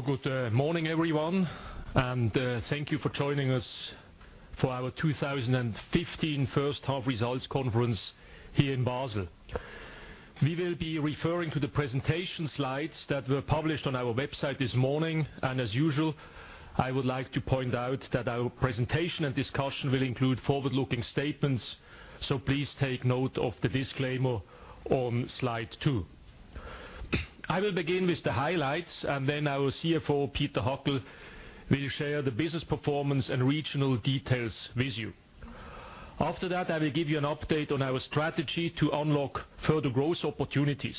Good morning, everyone, thank you for joining us for our 2015 first half results conference here in Basel. We will be referring to the presentation slides that were published on our website this morning. As usual, I would like to point out that our presentation and discussion will include forward-looking statements, please take note of the disclaimer on Slide two. I will begin with the highlights. Then our CFO, Peter Hackel, will share the business performance and regional details with you. I will give you an update on our strategy to unlock further growth opportunities.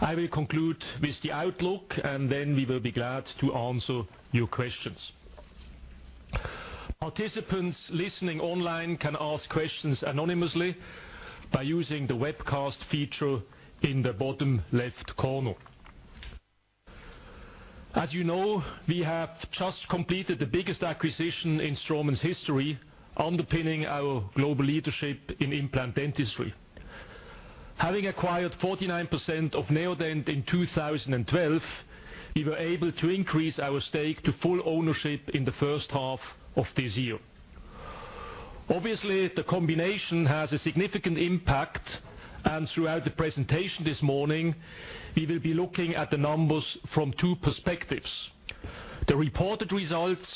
I will conclude with the outlook. Then we will be glad to answer your questions. Participants listening online can ask questions anonymously by using the webcast feature in the bottom left corner. As you know, we have just completed the biggest acquisition in Straumann's history, underpinning our global leadership in implant dentistry. Having acquired 49% of Neodent in 2012, we were able to increase our stake to full ownership in the first half of this year. Obviously, the combination has a significant impact. Throughout the presentation this morning, we will be looking at the numbers from two perspectives, the reported results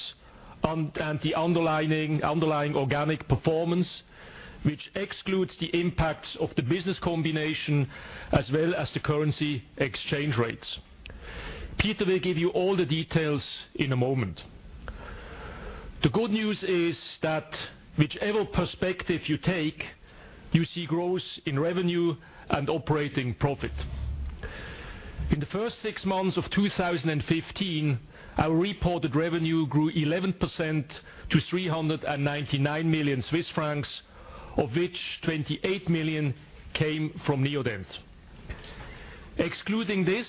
and the underlying organic performance, which excludes the impact of the business combination as well as the currency exchange rates. Peter will give you all the details in a moment. The good news is that whichever perspective you take, you see growth in revenue and operating profit. In the first six months of 2015, our reported revenue grew 11% to 399 million Swiss francs, of which 28 million came from Neodent. Excluding this,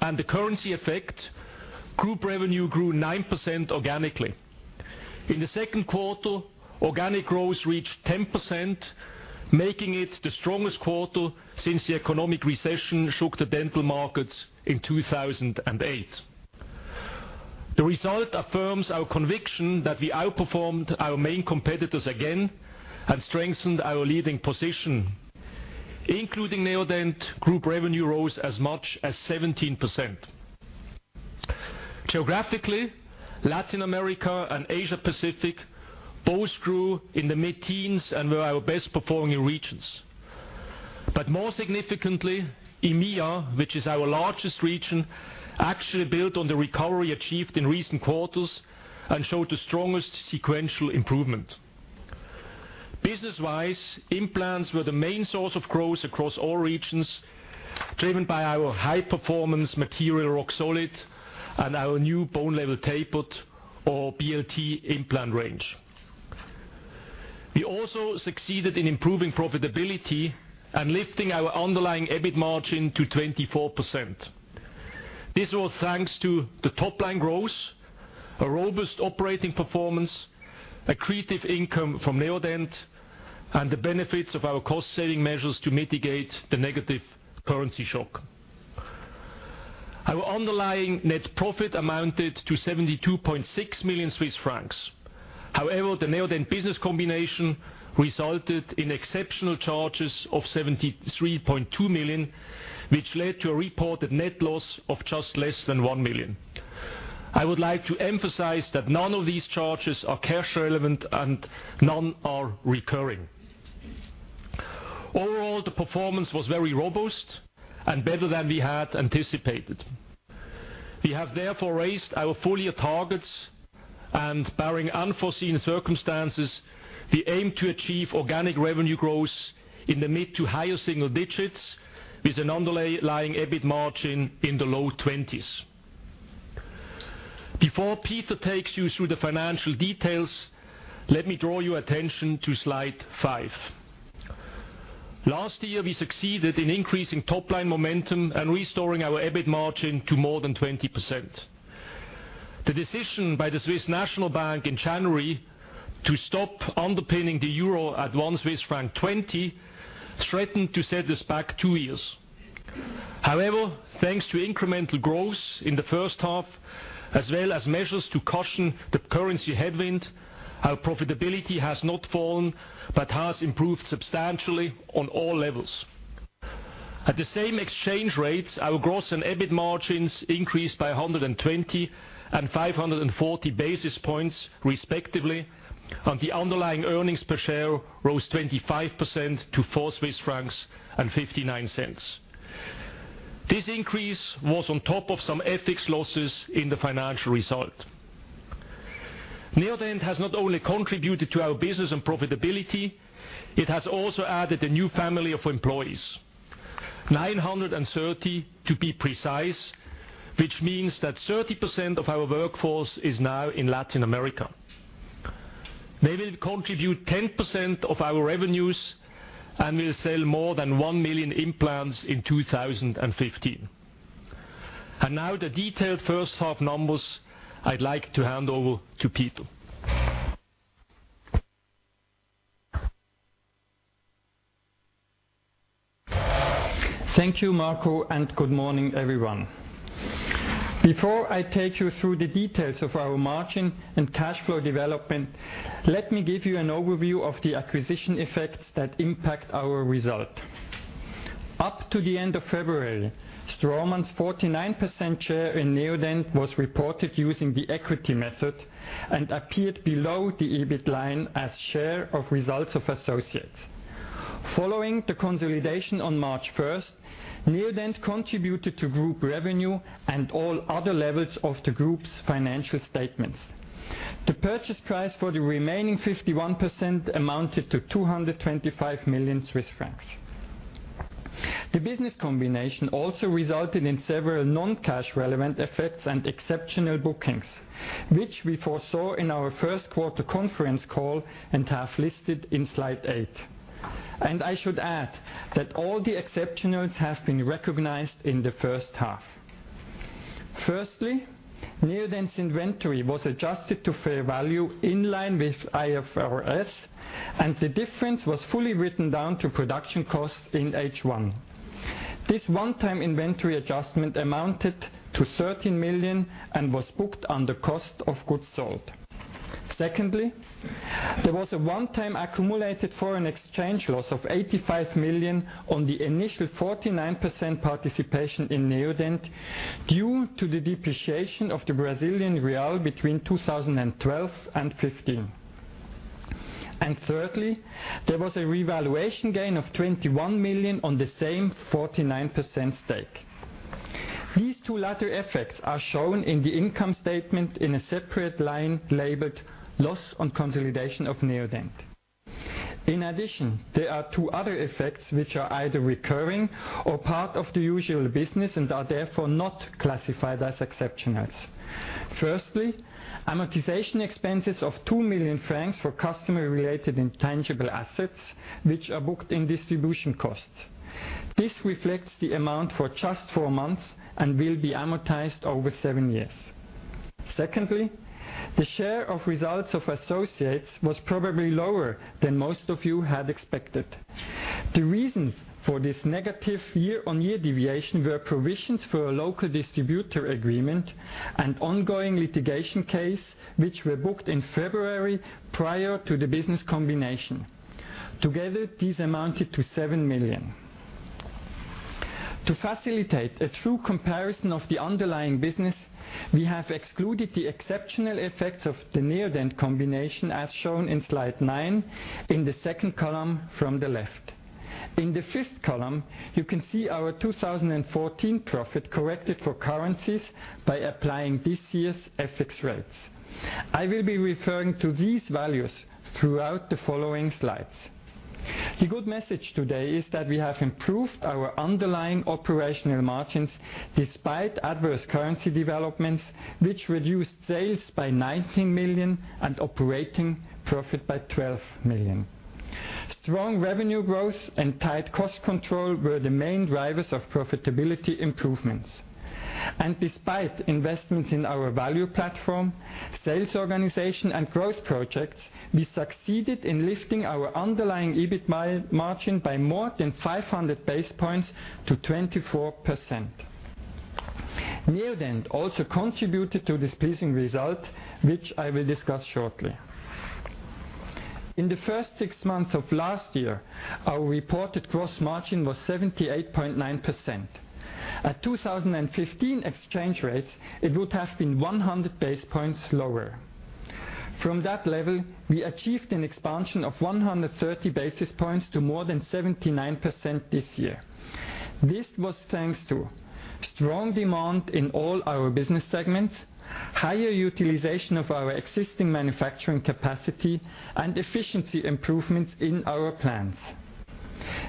the currency effect, group revenue grew 9% organically. In the second quarter, organic growth reached 10%, making it the strongest quarter since the economic recession shook the dental markets in 2008. The result affirms our conviction that we outperformed our main competitors again, strengthened our leading position. Including Neodent, group revenue rose as much as 17%. Geographically, Latin America and Asia Pacific both grew in the mid-teens and were our best-performing regions. More significantly, EMEA, which is our largest region, actually built on the recovery achieved in recent quarters and showed the strongest sequential improvement. Business-wise, implants were the main source of growth across all regions, driven by our high-performance material, Roxolid, and our new Bone Level Tapered or BLT implant range. We also succeeded in improving profitability and lifting our underlying EBIT margin to 24%. This was thanks to the top-line growth, a robust operating performance, accretive income from Neodent, the benefits of our cost-saving measures to mitigate the negative currency shock. Our underlying net profit amounted to 72.6 million Swiss francs. The Neodent business combination resulted in exceptional charges of 73.2 million, which led to a reported net loss of just less than 1 million. I would like to emphasize that none of these charges are cash-relevant, none are recurring. The performance was very robust, better than we had anticipated. We have therefore raised our full-year targets, barring unforeseen circumstances, we aim to achieve organic revenue growth in the mid- to higher single digits with an underlying EBIT margin in the low 20s. Before Peter takes you through the financial details, let me draw your attention to Slide five. Last year, we succeeded in increasing top-line momentum and restoring our EBIT margin to more than 20%. The decision by the Swiss National Bank in January to stop underpinning the EUR at CHF 1.20 threatened to set us back 2 years. However, thanks to incremental growth in the first half, as well as measures to cushion the currency headwind, our profitability has not fallen but has improved substantially on all levels. At the same exchange rates, our gross and EBIT margins increased by 120 and 540 basis points, respectively, and the underlying earnings per share rose 25% to 4.59 Swiss francs. This increase was on top of some FX losses in the financial result. Neodent has not only contributed to our business and profitability, it has also added a new family of employees, 930 to be precise, which means that 30% of our workforce is now in Latin America. They will contribute 10% of our revenues and will sell more than 1 million implants in 2015. Now the detailed first half numbers I'd like to hand over to Peter. Thank you, Marco, and good morning, everyone. Before I take you through the details of our margin and cash flow development, let me give you an overview of the acquisition effects that impact our result. Up to the end of February, Straumann's 49% share in Neodent was reported using the equity method and appeared below the EBIT line as share of results of associates. Following the consolidation on March 1st, Neodent contributed to group revenue and all other levels of the group's financial statements. The purchase price for the remaining 51% amounted to 225 million Swiss francs. The business combination also resulted in several non-cash relevant effects and exceptional bookings, which we foresaw in our first-quarter conference call and have listed in slide eight. I should add that all the exceptionals have been recognized in the first half. Firstly, Neodent's inventory was adjusted to fair value in line with IFRS, and the difference was fully written down to production costs in H1. This one-time inventory adjustment amounted to 13 million and was booked under cost of goods sold. Secondly, there was a one-time accumulated foreign-exchange loss of 85 million on the initial 49% participation in Neodent due to the depreciation of the Brazilian real between 2012 and 2015. Thirdly, there was a revaluation gain of 21 million on the same 49% stake. These 2 latter effects are shown in the income statement in a separate line labeled "Loss on consolidation of Neodent." In addition, there are 2 other effects which are either recurring or part of the usual business and are therefore not classified as exceptionals. Firstly, amortization expenses of 2 million francs for customer-related intangible assets, which are booked in distribution costs. This reflects the amount for just four months and will be amortized over seven years. Secondly, the share of results of associates was probably lower than most of you had expected. The reasons for this negative year-on-year deviation were provisions for a local distributor agreement and ongoing litigation case, which were booked in February prior to the business combination. Together, these amounted to 7 million. To facilitate a true comparison of the underlying business, we have excluded the exceptional effects of the Neodent combination, as shown in slide nine in the second column from the left. In the fifth column, you can see our 2014 profit corrected for currencies by applying this year's FX rates. I will be referring to these values throughout the following slides. The good message today is that we have improved our underlying operational margins despite adverse currency developments, which reduced sales by 19 million and operating profit by 12 million. Strong revenue growth and tight cost control were the main drivers of profitability improvements. Despite investments in our value platform, sales organization, and growth projects, we succeeded in lifting our underlying EBIT margin by more than 500 basis points to 24%. Neodent also contributed to this pleasing result, which I will discuss shortly. In the first six months of last year, our reported gross margin was 78.9%. At 2015 exchange rates, it would have been 100 basis points lower. From that level, we achieved an expansion of 130 basis points to more than 79% this year. This was thanks to strong demand in all our business segments, higher utilization of our existing manufacturing capacity, and efficiency improvements in our plants.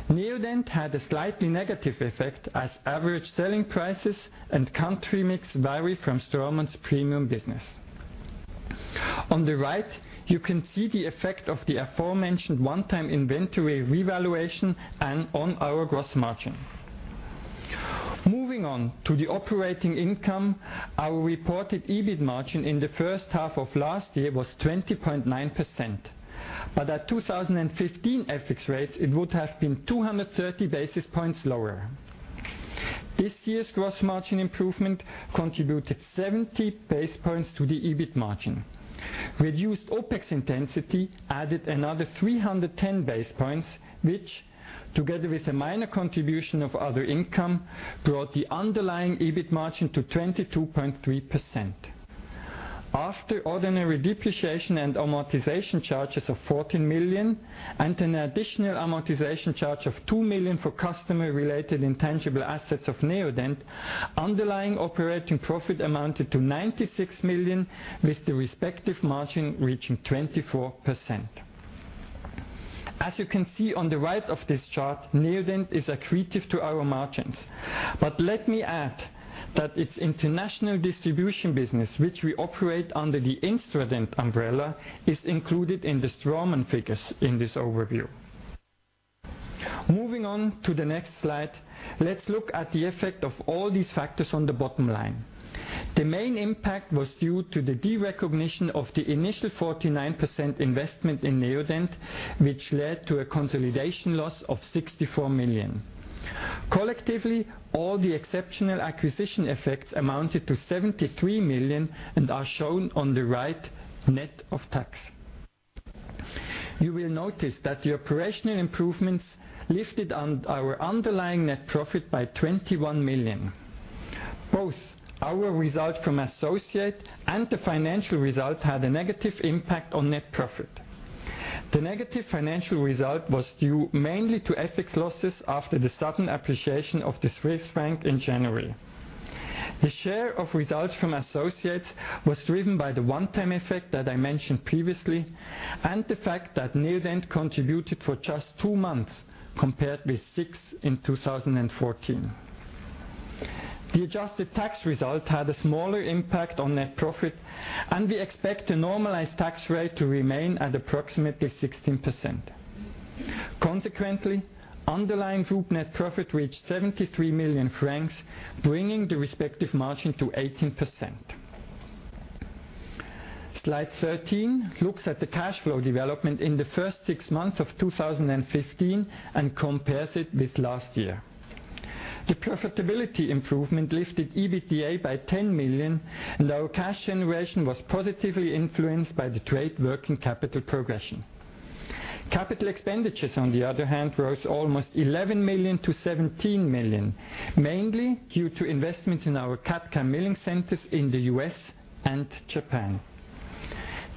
Neodent had a slightly negative effect as average selling prices and country mix vary from Straumann's premium business. On the right, you can see the effect of the aforementioned one-time inventory revaluation and on our gross margin. Moving on to the operating income, our reported EBIT margin in the first half of last year was 20.9%. At 2015 FX rates, it would have been 230 basis points lower. This year's gross margin improvement contributed 70 basis points to the EBIT margin. Reduced OPEX intensity added another 310 basis points, which, together with a minor contribution of other income, brought the underlying EBIT margin to 22.3%. After ordinary depreciation and amortization charges of 14 million and an additional amortization charge of 2 million for customer-related intangible assets of Neodent, underlying operating profit amounted to 96 million, with the respective margin reaching 24%. As you can see on the right of this chart, Neodent is accretive to our margins. Let me add that its international distribution business, which we operate under the Instadent umbrella, is included in the Straumann figures in this overview. Moving on to the next slide, let's look at the effect of all these factors on the bottom line. The main impact was due to the derecognition of the initial 49% investment in Neodent, which led to a consolidation loss of 64 million. Collectively, all the exceptional acquisition effects amounted to 73 million and are shown on the right net of tax. You will notice that the operational improvements lifted our underlying net profit by 21 million. Both our result from associate and the financial result had a negative impact on net profit. The negative financial result was due mainly to FX losses after the sudden appreciation of the Swiss franc in January. The share of results from associates was driven by the one-time effect that I mentioned previously, and the fact that Neodent contributed for just two months compared with six in 2014. The adjusted tax result had a smaller impact on net profit. We expect a normalized tax rate to remain at approximately 16%. Consequently, underlying group net profit reached 73 million francs, bringing the respective margin to 18%. Slide 13 looks at the cash flow development in the first six months of 2015 and compares it with last year. The profitability improvement lifted EBITDA by 10 million. Our cash generation was positively influenced by the trade working capital progression. Capital expenditures, on the other hand, rose almost 11 million-17 million, mainly due to investment in our CAD/CAM milling centers in the U.S. and Japan.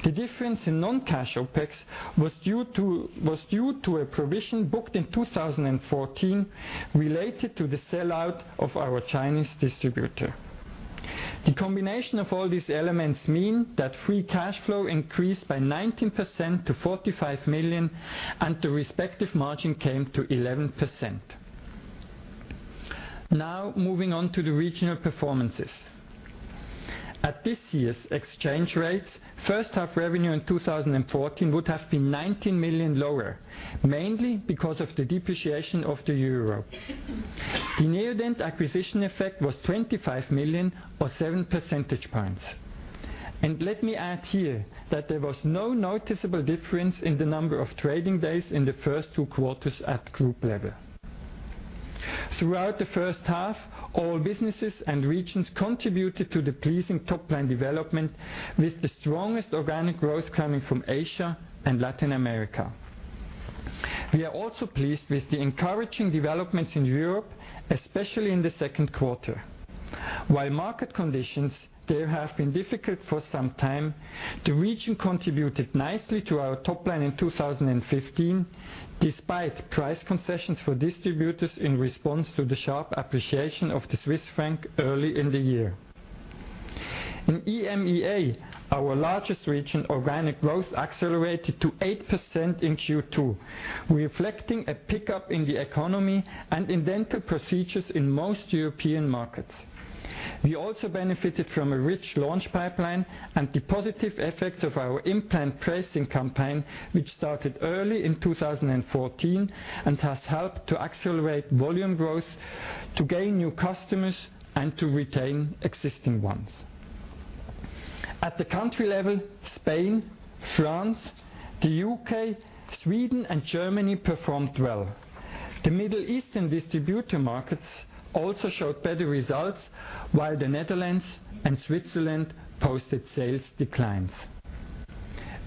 The difference in non-cash OPEX was due to a provision booked in 2014 related to the sellout of our Chinese distributor. The combination of all these elements mean that free cash flow increased by 19% to 45 million, and the respective margin came to 11%. Moving on to the regional performances. At this year's exchange rates, first half revenue in 2014 would have been 19 million lower, mainly because of the depreciation of the EUR. The Neodent acquisition effect was 25 million or seven percentage points. Let me add here that there was no noticeable difference in the number of trading days in the first two quarters at group level. Throughout the first half, all businesses and regions contributed to the pleasing top-line development with the strongest organic growth coming from Asia and Latin America. We are also pleased with the encouraging developments in Europe, especially in the second quarter. While market conditions there have been difficult for some time, the region contributed nicely to our top line in 2015, despite price concessions for distributors in response to the sharp appreciation of the Swiss franc early in the year. In EMEA, our largest region, organic growth accelerated to 8% in Q2, reflecting a pickup in the economy and in dental procedures in most European markets. We also benefited from a rich launch pipeline and the positive effects of our implant pricing campaign, which started early in 2014 and has helped to accelerate volume growth, to gain new customers, and to retain existing ones. At the country level, Spain, France, the U.K., Sweden, and Germany performed well. The Middle East and distributor markets also showed better results, while the Netherlands and Switzerland posted sales declines.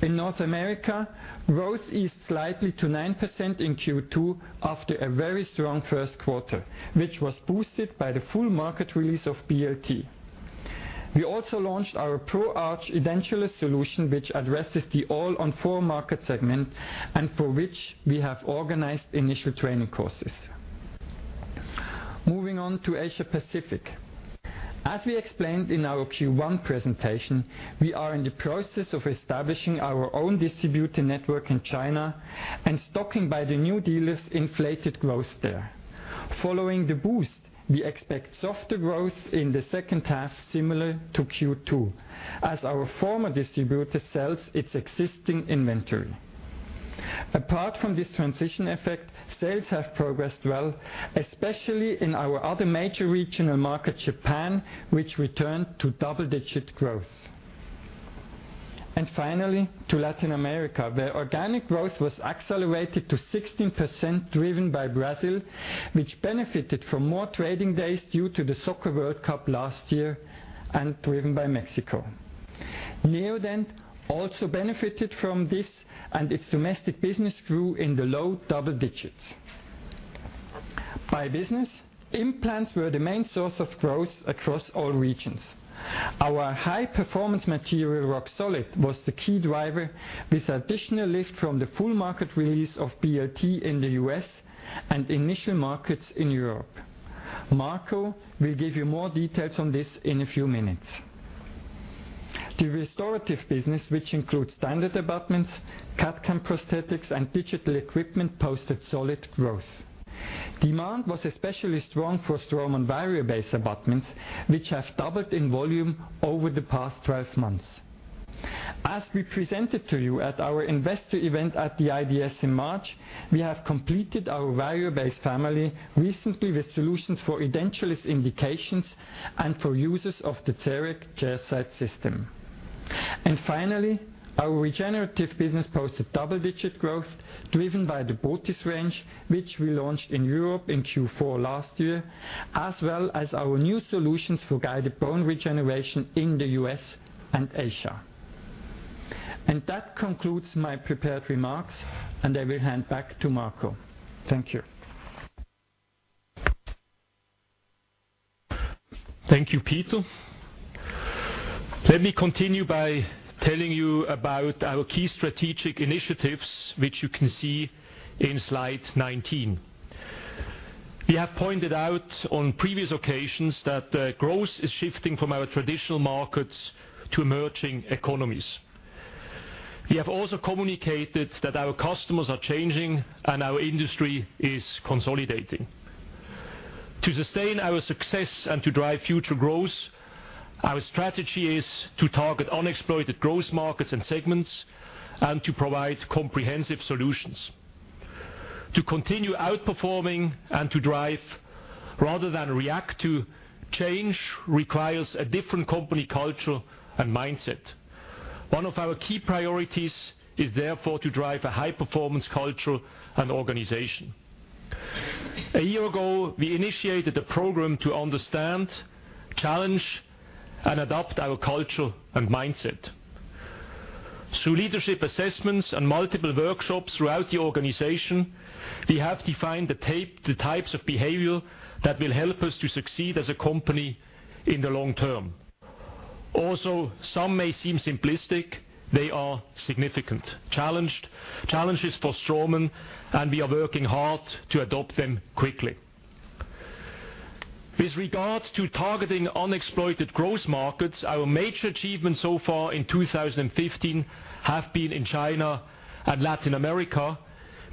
In North America, growth eased slightly to 9% in Q2 after a very strong first quarter, which was boosted by the full market release of BLT. We also launched our Pro Arch edentulous solution, which addresses the All-on-4 market segment and for which we have organized initial training courses. Moving on to Asia Pacific. As we explained in our Q1 presentation, we are in the process of establishing our own distributor network in China and stocking by the new dealers inflated growth there. Following the boost, we expect softer growth in the second half similar to Q2, as our former distributor sells its existing inventory. Apart from this transition effect, sales have progressed well, especially in our other major regional market, Japan, which returned to double-digit growth. Finally, to Latin America, where organic growth was accelerated to 16% driven by Brazil, which benefited from more trading days due to the FIFA World Cup last year and driven by Mexico. Neodent also benefited from this, and its domestic business grew in the low double digits. By business, implants were the main source of growth across all regions. Our high-performance material, Roxolid, was the key driver with additional lift from the full market release of BLT in the U.S. and initial markets in Europe. Marco will give you more details on this in a few minutes. The restorative business, which includes standard abutments, CAD/CAM prosthetics, and digital equipment, posted solid growth. Demand was especially strong for Straumann Variobase abutments, which have doubled in volume over the past 12 months. As we presented to you at our investor event at the IDS in March, we have completed our Variobase family recently with solutions for edentulous indications and for users of the CEREC chairside system. Finally, our regenerative business posted double-digit growth driven by the botiss range, which we launched in Europe in Q4 last year, as well as our new solutions for guided bone regeneration in the U.S. and Asia. That concludes my prepared remarks, and I will hand back to Marco. Thank you. Thank you, Peter. Let me continue by telling you about our key strategic initiatives, which you can see on slide 19. We have pointed out on previous occasions that growth is shifting from our traditional markets to emerging economies. We have also communicated that our customers are changing and our industry is consolidating. To sustain our success and to drive future growth, our strategy is to target unexploited growth markets and segments and to provide comprehensive solutions. To continue outperforming and to drive rather than react to change requires a different company culture and mindset. One of our key priorities is therefore to drive a high-performance culture and organization. A year ago, we initiated a program to understand, challenge, and adapt our culture and mindset. Through leadership assessments and multiple workshops throughout the organization, we have defined the types of behavior that will help us to succeed as a company in the long term. Although some may seem simplistic, they are significant challenges for Straumann, and we are working hard to adopt them quickly. With regards to targeting unexploited growth markets, our major achievements so far in 2015 have been in China and Latin America,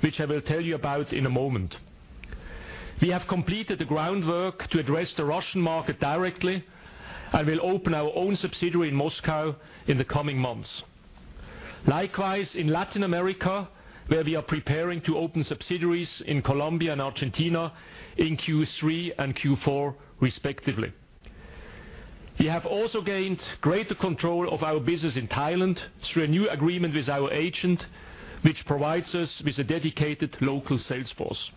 which I will tell you about in a moment. We have completed the groundwork to address the Russian market directly and will open our own subsidiary in Moscow in the coming months. Likewise, in Latin America, where we are preparing to open subsidiaries in Colombia and Argentina in Q3 and Q4 respectively. We have also gained greater control of our business in Thailand through a new agreement with our agent, which provides us with a dedicated local sales force.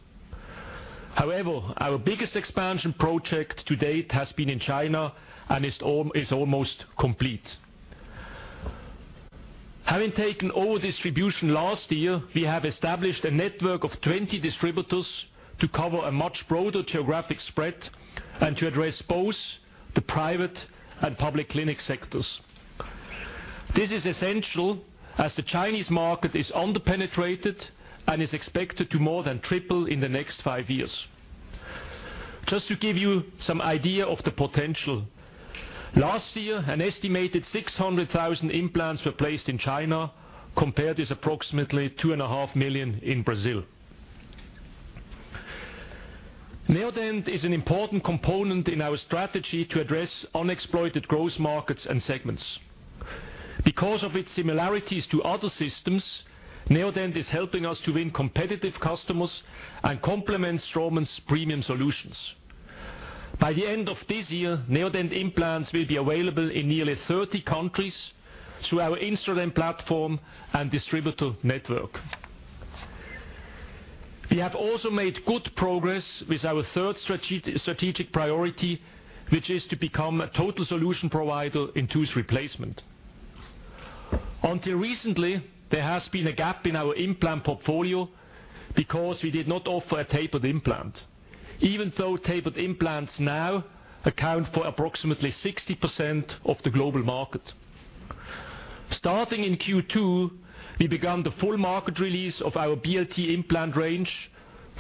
However, our biggest expansion project to date has been in China and is almost complete. Having taken over distribution last year, we have established a network of 20 distributors to cover a much broader geographic spread and to address both the private and public clinic sectors. This is essential as the Chinese market is underpenetrated and is expected to more than triple in the next five years. Just to give you some idea of the potential, last year, an estimated 600,000 implants were placed in China, compared with approximately two and a half million in Brazil. Neodent is an important component in our strategy to address unexploited growth markets and segments. Because of its similarities to other systems, Neodent is helping us to win competitive customers and complements Straumann's premium solutions. By the end of this year, Neodent implants will be available in nearly 30 countries through our Instadent platform and distributor network. We have also made good progress with our third strategic priority, which is to become a total solution provider in tooth replacement. Until recently, there has been a gap in our implant portfolio because we did not offer a tapered implant, even though tapered implants now account for approximately 60% of the global market. Starting in Q2, we began the full market release of our BLT implant range,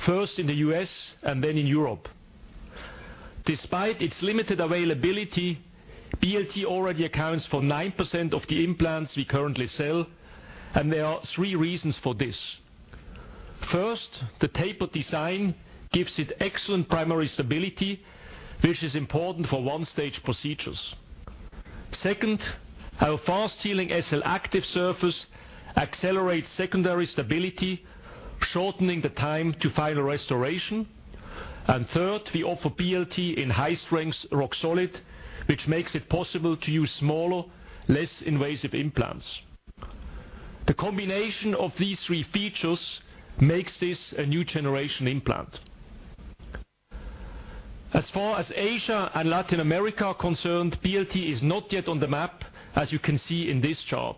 first in the U.S. and then in Europe. Despite its limited availability, BLT already accounts for 9% of the implants we currently sell, and there are three reasons for this. First, the tapered design gives it excellent primary stability, which is important for one-stage procedures. Second, our fast-healing SLActive surface accelerates secondary stability, shortening the time to final restoration. Third, we offer BLT in high-strength Roxolid, which makes it possible to use smaller, less invasive implants. The combination of these three features makes this a new-generation implant. As far as Asia and Latin America are concerned, BLT is not yet on the map, as you can see in this chart.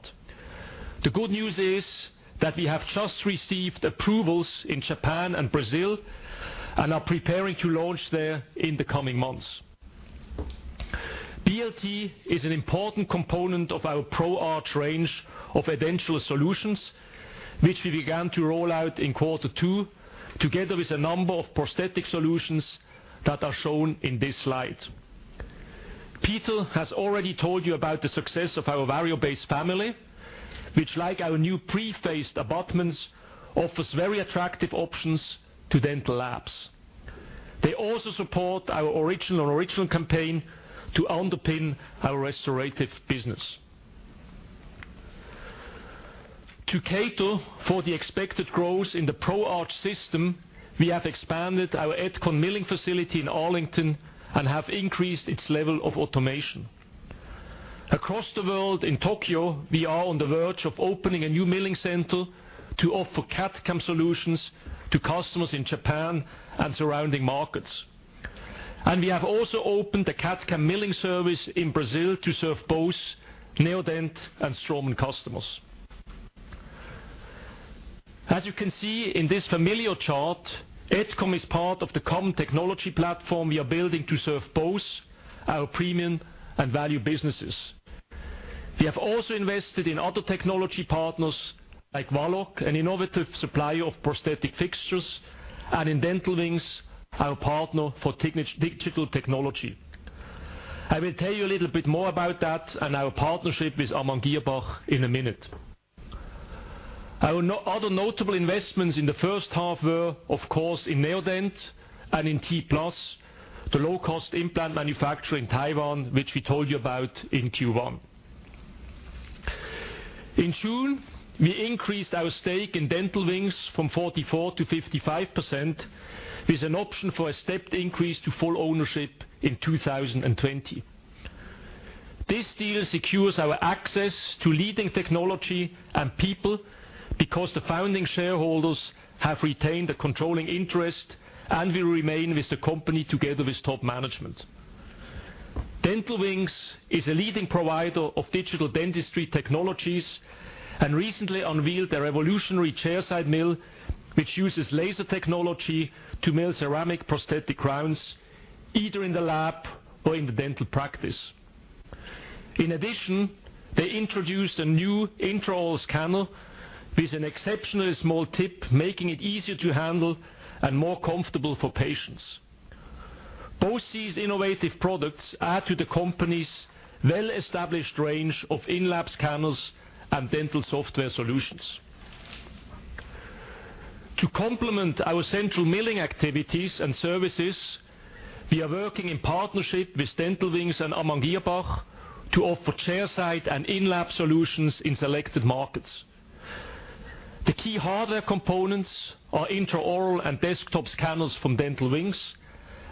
The good news is that we have just received approvals in Japan and Brazil and are preparing to launch there in the coming months. BLT is an important component of our ProArch range of edentulous solutions, which we began to roll out in quarter two together with a number of prosthetic solutions that are shown in this slide. Peter has already told you about the success of our Variobase family, which like our new pre-faced abutments, offers very attractive options to dental labs. They also support our original campaign to underpin our restorative business. To cater for the expected growth in the ProArch system, we have expanded our etkon milling facility in Arlington and have increased its level of automation. Across the world, in Tokyo, we are on the verge of opening a new milling center to offer CAD/CAM solutions to customers in Japan and surrounding markets. We have also opened a CAD/CAM milling service in Brazil to serve both Neodent and Straumann customers. As you can see in this familiar chart, etkon is part of the common technology platform we are building to serve both our premium and value businesses. We have also invested in other technology partners like Valoc, an innovative supplier of prosthetic fixtures, and in Dental Wings, our partner for digital technology. I will tell you a little bit more about that and our partnership with Amann Girrbach in a minute. Our other notable investments in the first half were, of course, in Neodent and in T-Plus, the low-cost implant manufacturer in Taiwan, which we told you about in Q1. In June, we increased our stake in Dental Wings from 44% to 55%, with an option for a stepped increase to full ownership in 2020. This deal secures our access to leading technology and people because the founding shareholders have retained a controlling interest and will remain with the company together with top management. Dental Wings is a leading provider of digital dentistry technologies and recently unveiled a revolutionary chairside mill, which uses laser technology to mill ceramic prosthetic crowns, either in the lab or in the dental practice. In addition, they introduced a new intraoral scanner with an exceptionally small tip, making it easier to handle and more comfortable for patients. Both these innovative products add to the company's well-established range of in-lab scanners and dental software solutions. To complement our central milling activities and services, we are working in partnership with Dental Wings and Amann Girrbach to offer chairside and in-lab solutions in selected markets. The key hardware components are intraoral and desktop scanners from Dental Wings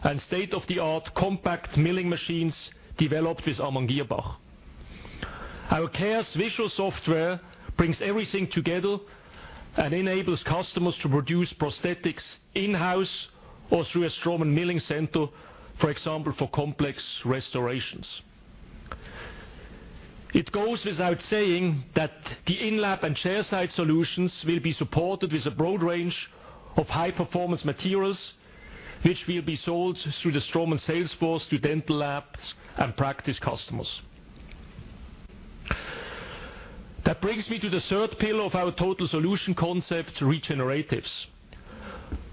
and state-of-the-art compact milling machines developed with Amann Girrbach. Our ChairsideVisual software brings everything together and enables customers to produce prosthetics in-house or through a Straumann milling center, for example, for complex restorations. It goes without saying that the in-lab and chairside solutions will be supported with a broad range of high-performance materials, which will be sold through the Straumann sales force to dental labs and practice customers. That brings me to the third pillar of our total solution concept, regeneratives.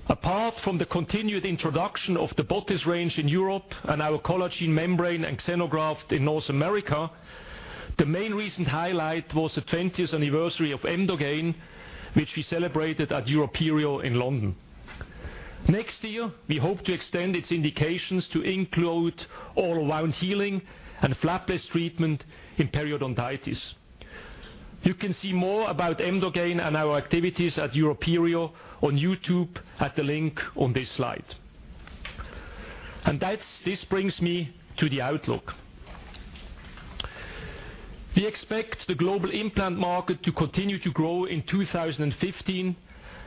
Apart from the continued introduction of the botiss range in Europe and our collagen membrane and xenograft in North America, the main recent highlight was the 20th anniversary of Emdogain, which we celebrated at EuroPerio in London. Next year, we hope to extend its indications to include all-around healing and flapless treatment in periodontitis. You can see more about Emdogain and our activities at EuroPerio on YouTube at the link on this slide. This brings me to the outlook. We expect the global implant market to continue to grow in 2015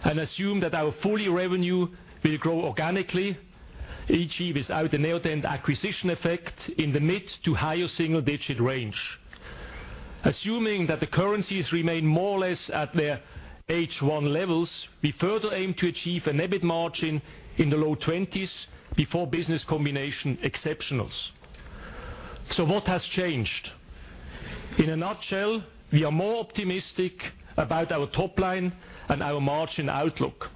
and assume that our full-year revenue will grow organically, i.e., without the Neodent acquisition effect, in the mid-to-higher single-digit range. Assuming that the currencies remain more or less at their H1 levels, we further aim to achieve an EBIT margin in the low 20s before business combination exceptionals. What has changed? In a nutshell, we are more optimistic about our top line and our margin outlook.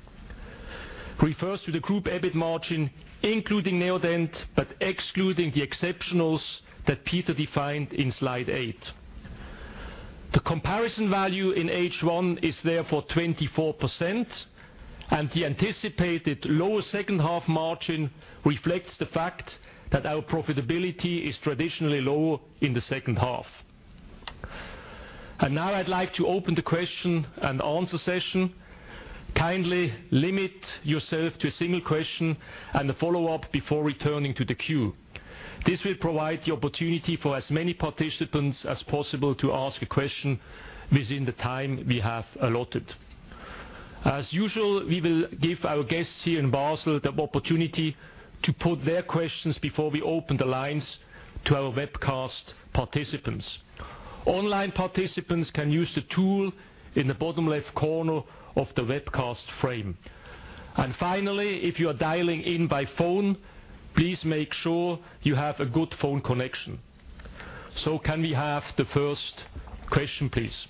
We first do the group EBIT margin, including Neodent, but excluding the exceptionals that Peter defined in slide eight. The comparison value in H1 is therefore 24%, and the anticipated lower second half margin reflects the fact that our profitability is traditionally lower in the second half. Now I'd like to open the question-and-answer session. Kindly limit yourself to a single question and a follow-up before returning to the queue. This will provide the opportunity for as many participants as possible to ask a question within the time we have allotted. As usual, we will give our guests here in Basel the opportunity to put their questions before we open the lines to our webcast participants. Online participants can use the tool in the bottom left corner of the webcast frame. If you are dialing in by phone, please make sure you have a good phone connection. Can we have the first question, please?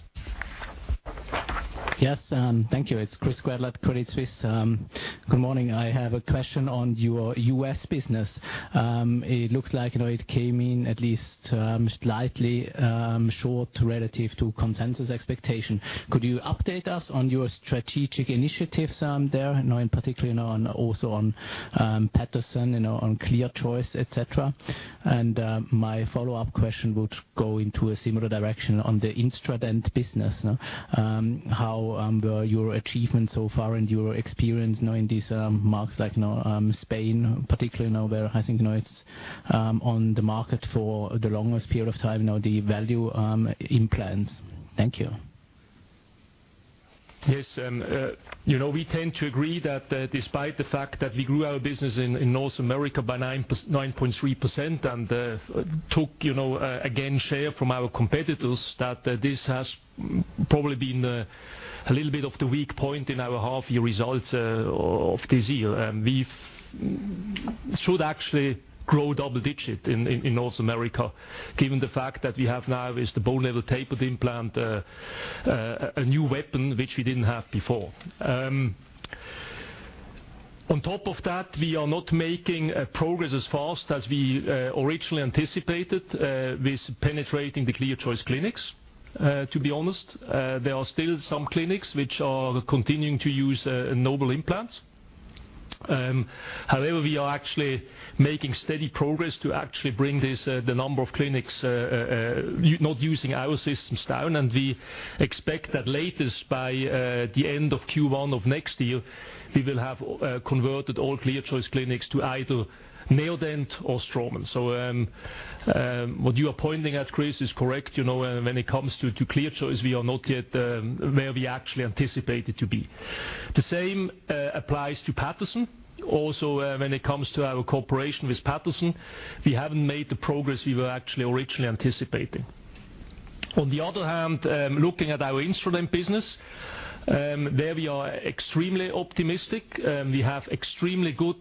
Yes. Thank you. It's Chris Gretler, Credit Suisse. Good morning. I have a question on your U.S. business. It looks like it came in at least slightly short relative to consensus expectation. Could you update us on your strategic initiatives there, in particular, also on Patterson, on ClearChoice, et cetera? My follow-up question would go into a similar direction on the Instadent business. How are your achievements so far and your experience now in these markets like Spain, particularly, now where I think now it's on the market for the longest period of time now, the value implants. Thank you. Yes. We tend to agree that despite the fact that we grew our business in North America by 9.3% and took again share from our competitors, that this has probably been a little bit of the weak point in our half-year results of this year. We should actually grow double digit in North America, given the fact that we have now is the Bone Level Tapered implant, a new weapon which we didn't have before. On top of that, we are not making progress as fast as we originally anticipated with penetrating the ClearChoice clinics, to be honest. There are still some clinics which are continuing to use Nobel implants. We are actually making steady progress to actually bring the number of clinics not using our systems down, and we expect that latest by the end of Q1 of next year, we will have converted all ClearChoice clinics to either Neodent or Straumann. What you are pointing at, Chris, is correct. When it comes to ClearChoice, we are not yet where we actually anticipated to be. The same applies to Patterson. Also, when it comes to our cooperation with Patterson, we haven't made the progress we were actually originally anticipating. On the other hand, looking at our instrument business, there we are extremely optimistic. We have extremely good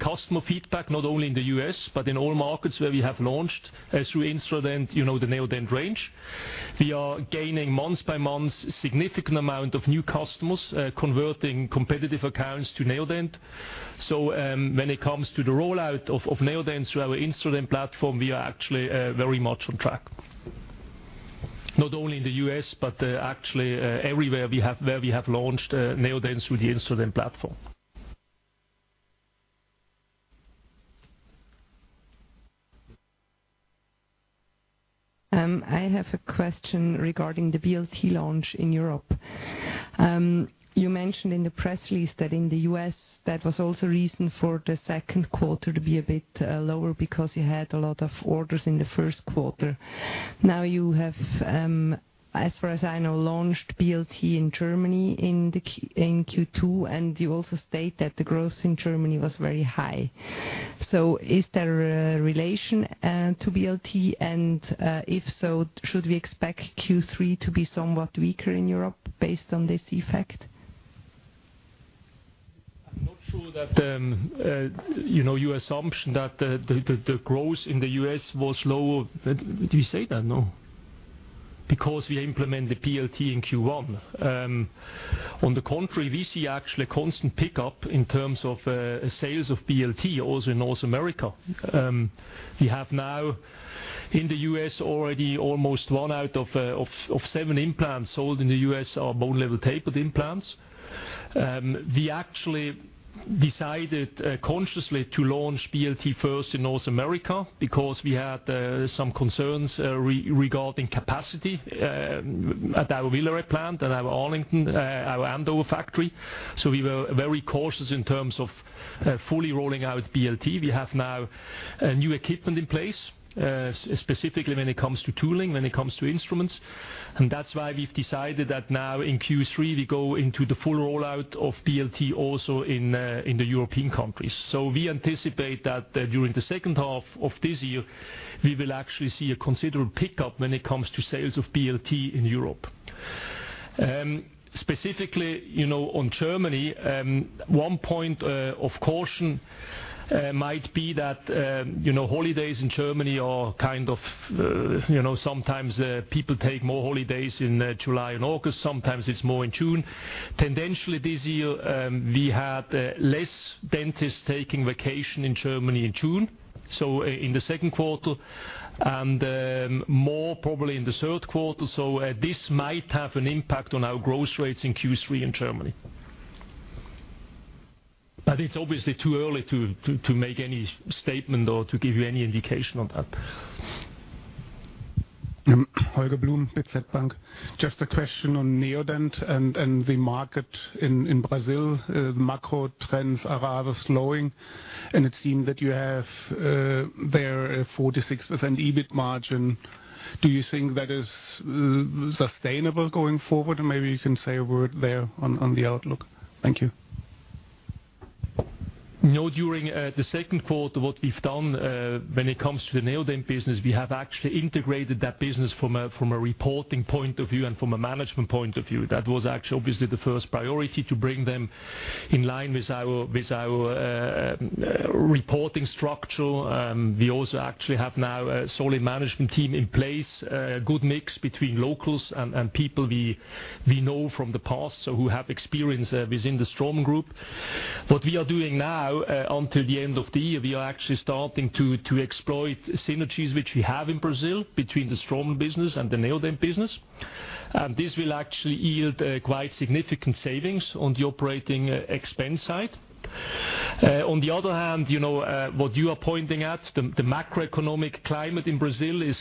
customer feedback, not only in the U.S., but in all markets where we have launched through instrument, the Neodent range. We are gaining month by month, significant amount of new customers, converting competitive accounts to Neodent. When it comes to the rollout of Neodent through our instrument platform, we are actually very much on track. Not only in the U.S., but actually everywhere where we have launched Neodent through the instrument platform. I have a question regarding the BLT launch in Europe. You mentioned in the press release that in the U.S. that was also a reason for the second quarter to be a bit lower because you had a lot of orders in the first quarter. Now you have, as far as I know, launched BLT in Germany in Q2, and you also state that the growth in Germany was very high. Is there a relation to BLT, and if so, should we expect Q3 to be somewhat weaker in Europe based on this effect? I'm not sure that your assumption that the growth in the U.S. was low. Did we say that, no? We implemented BLT in Q1. On the contrary, we see actually a constant pickup in terms of sales of BLT also in North America. We have now in the U.S. already almost one out of seven implants sold in the U.S. are Bone Level Tapered implants. We actually decided consciously to launch BLT first in North America because we had some concerns regarding capacity at our Villeret plant and our Andover factory. We were very cautious in terms of fully rolling out BLT. We have now new equipment in place, specifically when it comes to tooling, when it comes to instruments. That's why we've decided that now in Q3, we go into the full rollout of BLT also in the European countries. We anticipate that during the second half of this year, we will actually see a considerable pickup when it comes to sales of BLT in Europe. Specifically, on Germany, one point of caution might be that holidays in Germany. Sometimes people take more holidays in July and August, sometimes it's more in June. Tendentially, this year, we had less dentists taking vacation in Germany in June. In the second quarter, and more probably in the third quarter. This might have an impact on our growth rates in Q3 in Germany. It's obviously too early to make any statement or to give you any indication on that. Holger Blum, Deutsche Bank. A question on Neodent and the market in Brazil. The macro trends are rather slowing, it seemed that you have there a 46% EBIT margin. Do you think that is sustainable going forward? Maybe you can say a word there on the outlook. Thank you. During the second quarter, what we've done when it comes to the Neodent business, we have actually integrated that business from a reporting point of view and from a management point of view. That was actually obviously the first priority to bring them in line with our reporting structure. We also actually have now a solid management team in place, a good mix between locals and people we know from the past, who have experience within the Straumann Group. What we are doing now until the end of the year, we are actually starting to exploit synergies which we have in Brazil between the Straumann business and the Neodent business. This will actually yield quite significant savings on the operating expense side. On the other hand, what you are pointing at, the macroeconomic climate in Brazil is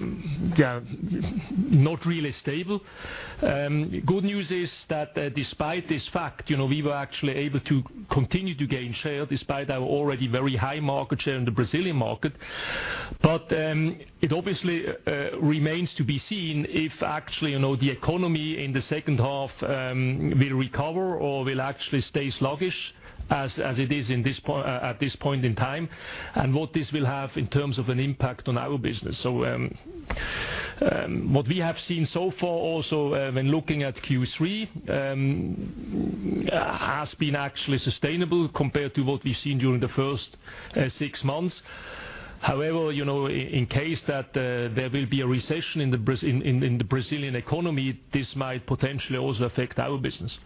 not really stable. Good news is that despite this fact, we were actually able to continue to gain share despite our already very high market share in the Brazilian market. It obviously remains to be seen if actually the economy in the second half will recover or will actually stay sluggish as it is at this point in time, what this will have in terms of an impact on our business. What we have seen so far also when looking at Q3, has been actually sustainable compared to what we've seen during the first six months. However, in case that there will be a recession in the Brazilian economy, this might potentially also affect our business.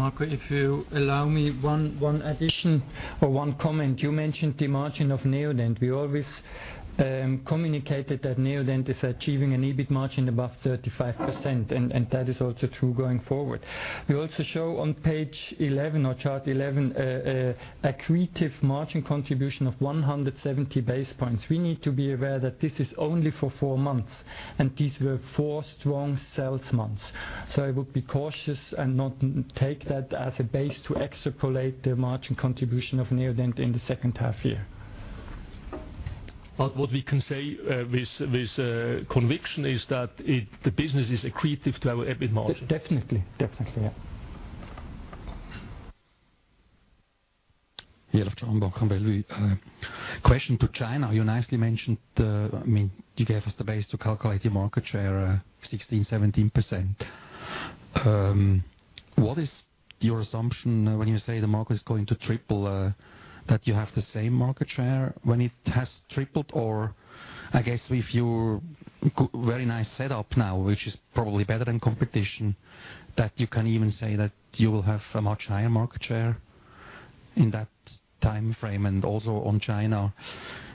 Marco, if you allow me one addition or one comment. You mentioned the margin of Neodent. We always communicated that Neodent is achieving an EBIT margin above 35%, that is also true going forward. We also show on page 11 or chart 11, accretive margin contribution of 170 basis points. We need to be aware that this is only for four months, these were four strong sales months. I would be cautious and not take that as a base to extrapolate the margin contribution of Neodent in the second half year. What we can say with conviction is that the business is accretive to our EBIT margin. Definitely. Yeah. Question to China. You nicely mentioned, you gave us the base to calculate your market share of 16%-17%. What is your assumption when you say the market is going to triple, that you have the same market share when it has tripled? I guess with your very nice setup now, which is probably better than competition, that you can even say that you will have a much higher market share in that timeframe. Also on China,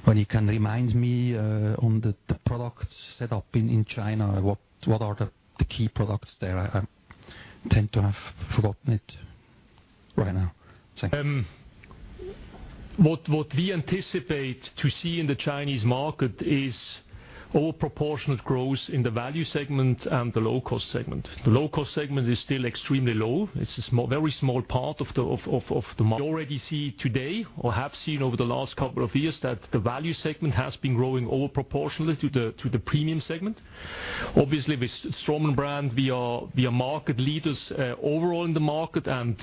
when you can remind me on the product setup in China, what are the key products there? I tend to have forgotten it right now. Thank you. What we anticipate to see in the Chinese market is out of proportion growth in the value segment and the low-cost segment. The low-cost segment is still extremely low. It's a very small part of the market. We already see today or have seen over the last couple of years that the value segment has been growing out of proportion to the premium segment. Obviously, with Straumann brand, we are market leaders overall in the market, and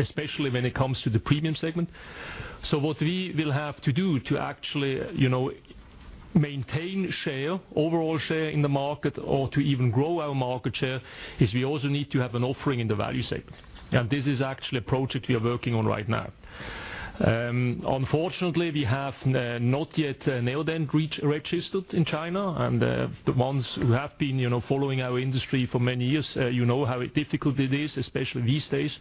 especially when it comes to the premium segment. What we will have to do to actually maintain share, overall share in the market or to even grow our market share, is we also need to have an offering in the value segment. This is actually a project we are working on right now. Unfortunately, we have not yet Neodent registered in China. The ones who have been following our industry for many years, you know how difficult it is, especially these days,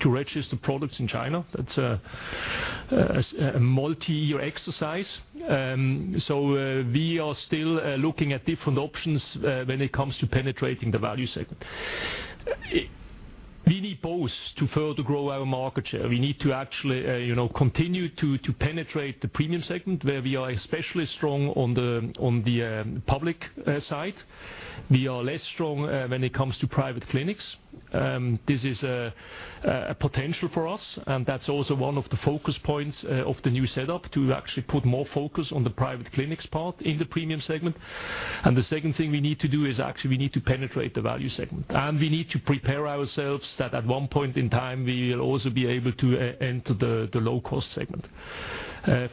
to register products in China. That's a multi-year exercise. We are still looking at different options when it comes to penetrating the value segment. We need both to further grow our market share. We need to actually continue to penetrate the premium segment where we are especially strong on the public side. We are less strong when it comes to private clinics. This is a potential for us, and that's also one of the focus points of the new setup to actually put more focus on the private clinics part in the premium segment. The second thing we need to do is actually we need to penetrate the value segment. We need to prepare ourselves that at one point in time, we will also be able to enter the low-cost segment.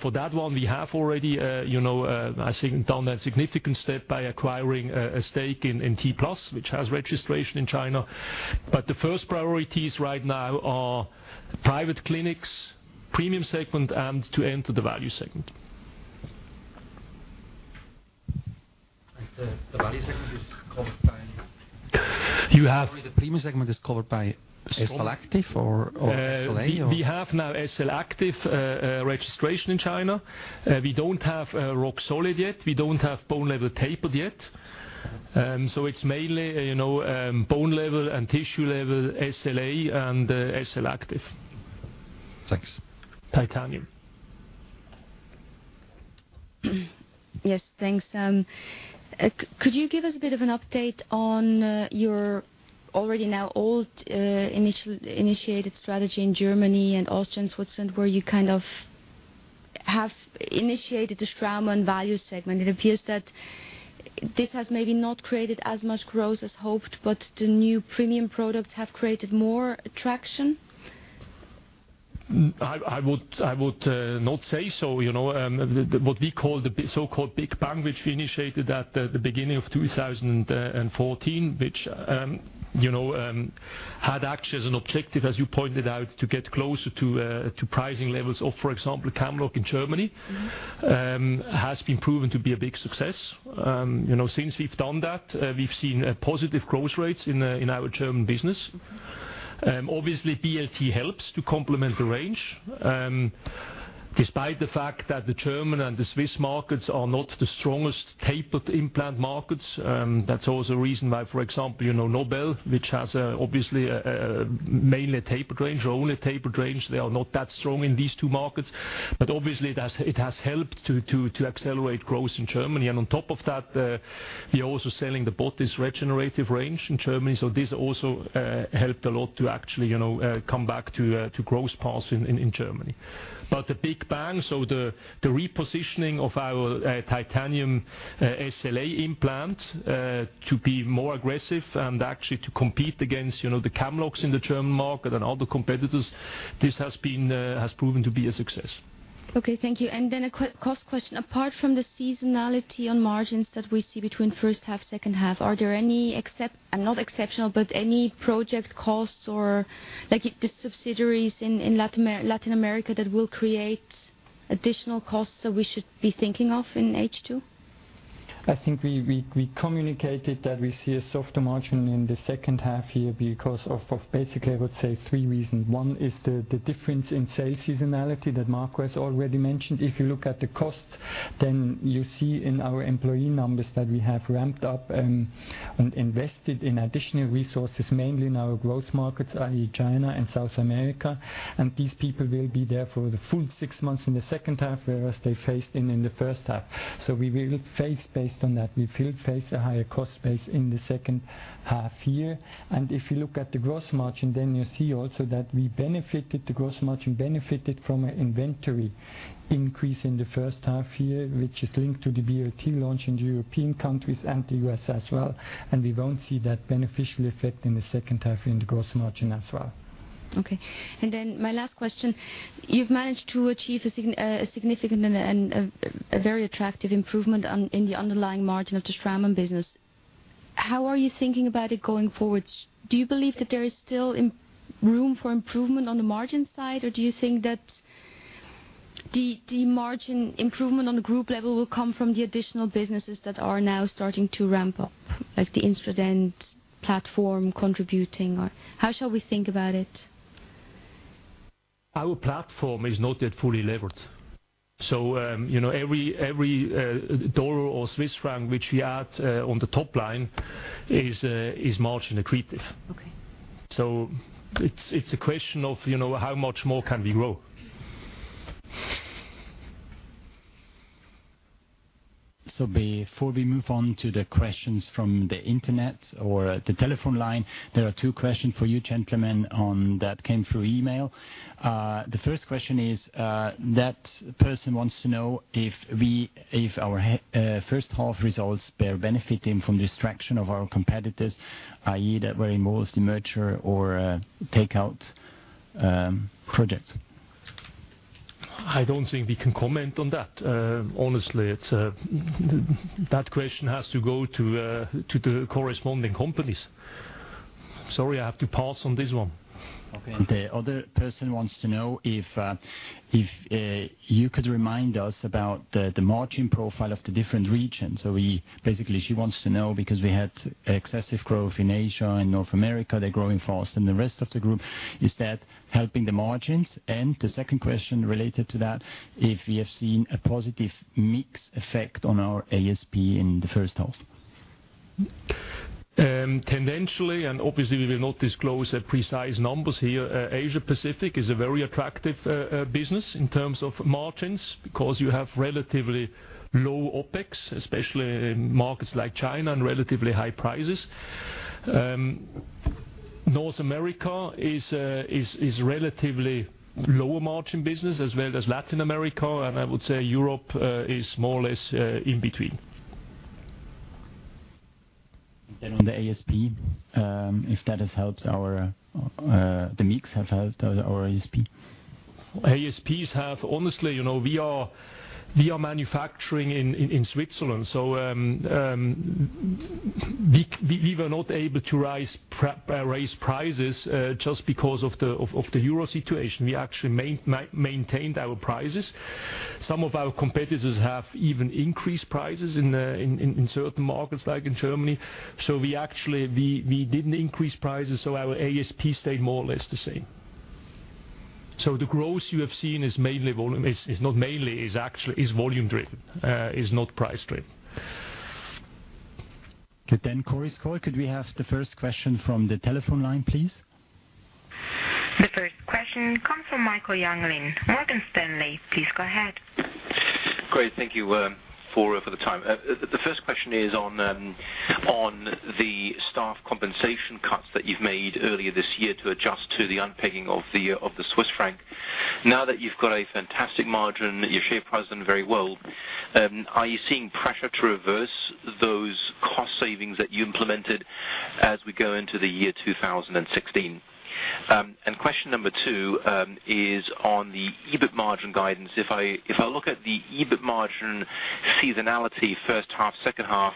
For that one, we have already I think done a significant step by acquiring a stake in T-Plus, which has registration in China. The first priorities right now are private clinics, premium segment, and to enter the value segment. The value segment is covered by You have Sorry, the premium segment is covered by SLActive or SLA or? We have now SLActive registration in China. We don't have Roxolid yet. We don't have Bone Level Tapered yet. It's mainly Bone Level and Tissue Level, SLA, and SLActive. Thanks. Titanium. Yes, thanks. Could you give us a bit of an update on your already now old initiated strategy in Germany and Austria and Switzerland, where you have initiated the Straumann value segment? It appears that this has maybe not created as much growth as hoped, but the new premium products have created more attraction. I would not say so. What we call the so-called Big Bang, which we initiated at the beginning of 2014, which had actually as an objective, as you pointed out, to get closer to pricing levels of, for example, Camlog in Germany, has been proven to be a big success. Since we've done that, we've seen positive growth rates in our German business. Obviously BLT helps to complement the range. Despite the fact that the German and the Swiss markets are not the strongest tapered implant markets, that's also a reason why, for example, Nobel, which has obviously mainly a tapered range, or only a tapered range, they are not that strong in these two markets. Obviously it has helped to accelerate growth in Germany. On top of that, we are also selling the botiss regenerative range in Germany, so this also helped a lot to actually come back to growth path in Germany. The Big Bang, so the repositioning of our titanium SLA implant to be more aggressive and actually to compete against the Camlog in the German market and other competitors, this has proven to be a success. Okay, thank you. Then a quick cost question. Apart from the seasonality on margins that we see between first half, second half, are there any project costs or subsidiaries in Latin America that will create additional costs that we should be thinking of in H2? I think we communicated that we see a softer margin in the second half year because of basically, I would say, three reasons. One is the difference in sales seasonality that Marco has already mentioned. If you look at the costs, then you see in our employee numbers that we have ramped up and invested in additional resources, mainly in our growth markets, i.e., China and South America. These people will be there for the full six months in the second half, whereas they phased in in the first half. We will face based on that, we will face a higher cost base in the second half year. If you look at the gross margin, then you see also that the gross margin benefited from an inventory increase in the first half year, which is linked to the BLT launch in the European countries and the U.S. as well. We won't see that beneficial effect in the second half in the gross margin as well. My last question. You've managed to achieve a significant and a very attractive improvement in the underlying margin of the Straumann business. How are you thinking about it going forward? Do you believe that there is still room for improvement on the margin side, or do you think that the margin improvement on the group level will come from the additional businesses that are now starting to ramp up, like the Instadent platform contributing, or how shall we think about it? Our platform is not yet fully levered. Every CHF or CHF which we add on the top line is margin accretive. Okay. It's a question of how much more can we grow. Okay. Before we move on to the questions from the internet or the telephone line, there are two questions for you gentlemen that came through email. The first question is, that person wants to know if our first half results are benefiting from the distraction of our competitors, i.e., that were involved in merger or takeout projects. I don't think we can comment on that. Honestly, that question has to go to the corresponding companies. Sorry, I have to pass on this one. Okay. The other person wants to know if you could remind us about the margin profile of the different regions. Basically, she wants to know, because we had excessive growth in Asia and North America, they're growing faster than the rest of the group. Is that helping the margins? The second question related to that, if we have seen a positive mix effect on our ASP in the first half. Tendentially, obviously we will not disclose the precise numbers here, Asia Pacific is a very attractive business in terms of margins because you have relatively low OpEx, especially in markets like China, and relatively high prices. North America is relatively lower margin business as well as Latin America. I would say Europe is more or less in between. On the ASP, if the mix have helped our ASP. ASPs, honestly, we are manufacturing in Switzerland, so we were not able to raise prices just because of the euro situation. We actually maintained our prices. Some of our competitors have even increased prices in certain markets, like in Germany. We didn't increase prices, so our ASP stayed more or less the same. The growth you have seen is volume-driven, is not price-driven. Cory Skoie, could we have the first question from the telephone line, please? The first question comes from Michael Jüngling, Morgan Stanley. Please go ahead. Great. Thank you for the time. The first question is on the staff compensation cuts that you've made earlier this year to adjust to the unpegging of the Swiss franc. Now that you've got a fantastic margin, your share price doing very well, are you seeing pressure to reverse those cost savings that you implemented as we go into the year 2016? Question number 2 is on the EBIT margin guidance. If I look at the EBIT margin seasonality, first half, second half,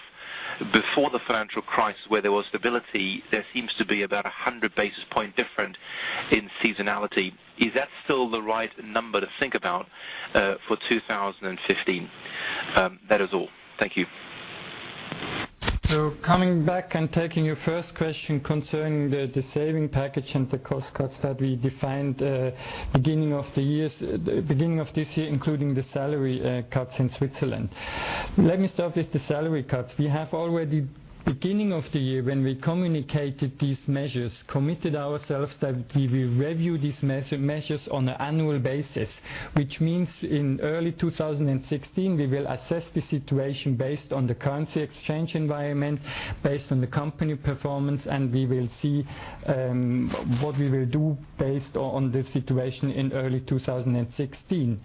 before the financial crisis where there was stability, there seems to be about 100 basis points different in seasonality. Is that still the right number to think about for 2015? That is all. Thank you. Coming back and taking your first question concerning the saving package and the cost cuts that we defined beginning of this year, including the salary cuts in Switzerland. Let me start with the salary cuts. We have already, beginning of the year when we communicated these measures, committed ourselves that we will review these measures on an annual basis, which means in early 2016, we will assess the situation based on the currency exchange environment, based on the company performance, and we will see what we will do based on the situation in early 2016.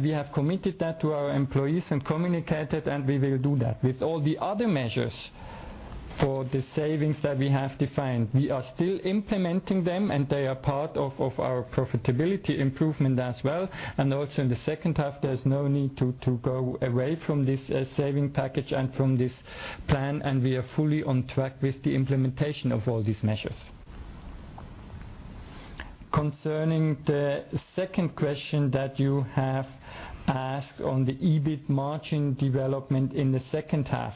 We have committed that to our employees and communicated, and we will do that. With all the other measures for the savings that we have defined, we are still implementing them, and they are part of our profitability improvement as well. Also in the second half, there is no need to go away from this saving package and from this plan. We are fully on track with the implementation of all these measures. Concerning the second question that you have asked on the EBIT margin development in the second half.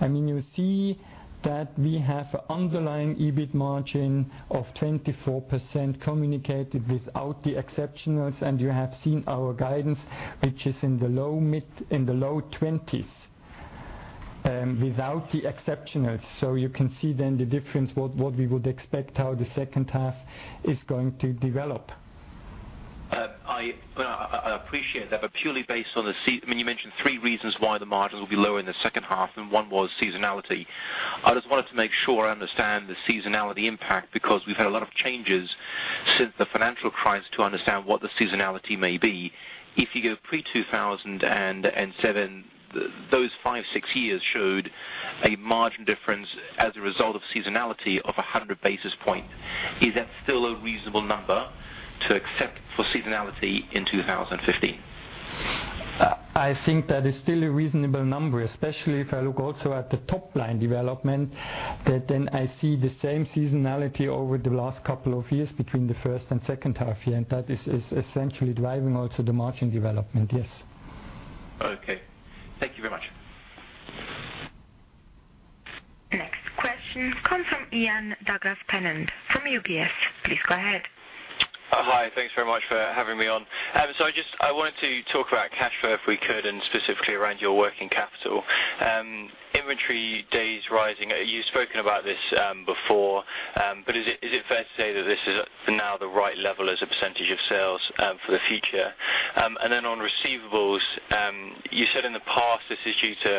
You see that we have underlying EBIT margin of 24% communicated without the exceptionals, and you have seen our guidance, which is in the low 20s, without the exceptionals. You can see then the difference, what we would expect, how the second half is going to develop. I appreciate that. You mentioned three reasons why the margin will be lower in the second half, and one was seasonality. I just wanted to make sure I understand the seasonality impact, because we've had a lot of changes since the financial crisis to understand what the seasonality may be. If you go pre-2007, those five, six years showed a margin difference as a result of seasonality of 100 basis point. Is that still a reasonable number to accept for seasonality in 2015? I think that is still a reasonable number, especially if I look also at the top-line development, that then I see the same seasonality over the last couple of years between the first and second half year, and that is essentially driving also the margin development, yes. Okay. Thank you very much. Next question comes from Ian Douglas-Pennant from UBS. Please go ahead. Hi, thanks very much for having me on. I wanted to talk about cash flow if we could, and specifically around your working capital. Inventory days rising. You've spoken about this before, is it fair to say that this is now the right level as a percentage of sales for the future? On receivables, you said in the past this is due to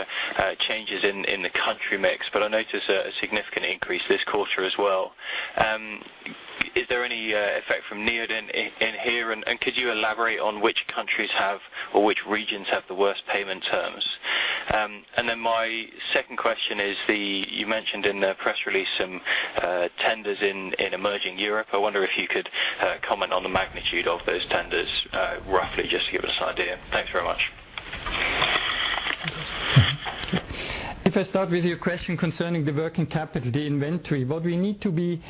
changes in the country mix, I notice a significant increase this quarter as well. Is there any effect from Neodent in here? Could you elaborate on which countries have or which regions have the worst payment terms? My second question is, you mentioned in the press release some tenders in emerging Europe. I wonder if you could comment on the magnitude of those tenders, roughly, just to give us an idea. Thanks very much. If I start with your question concerning the working capital, the inventory. What we need to be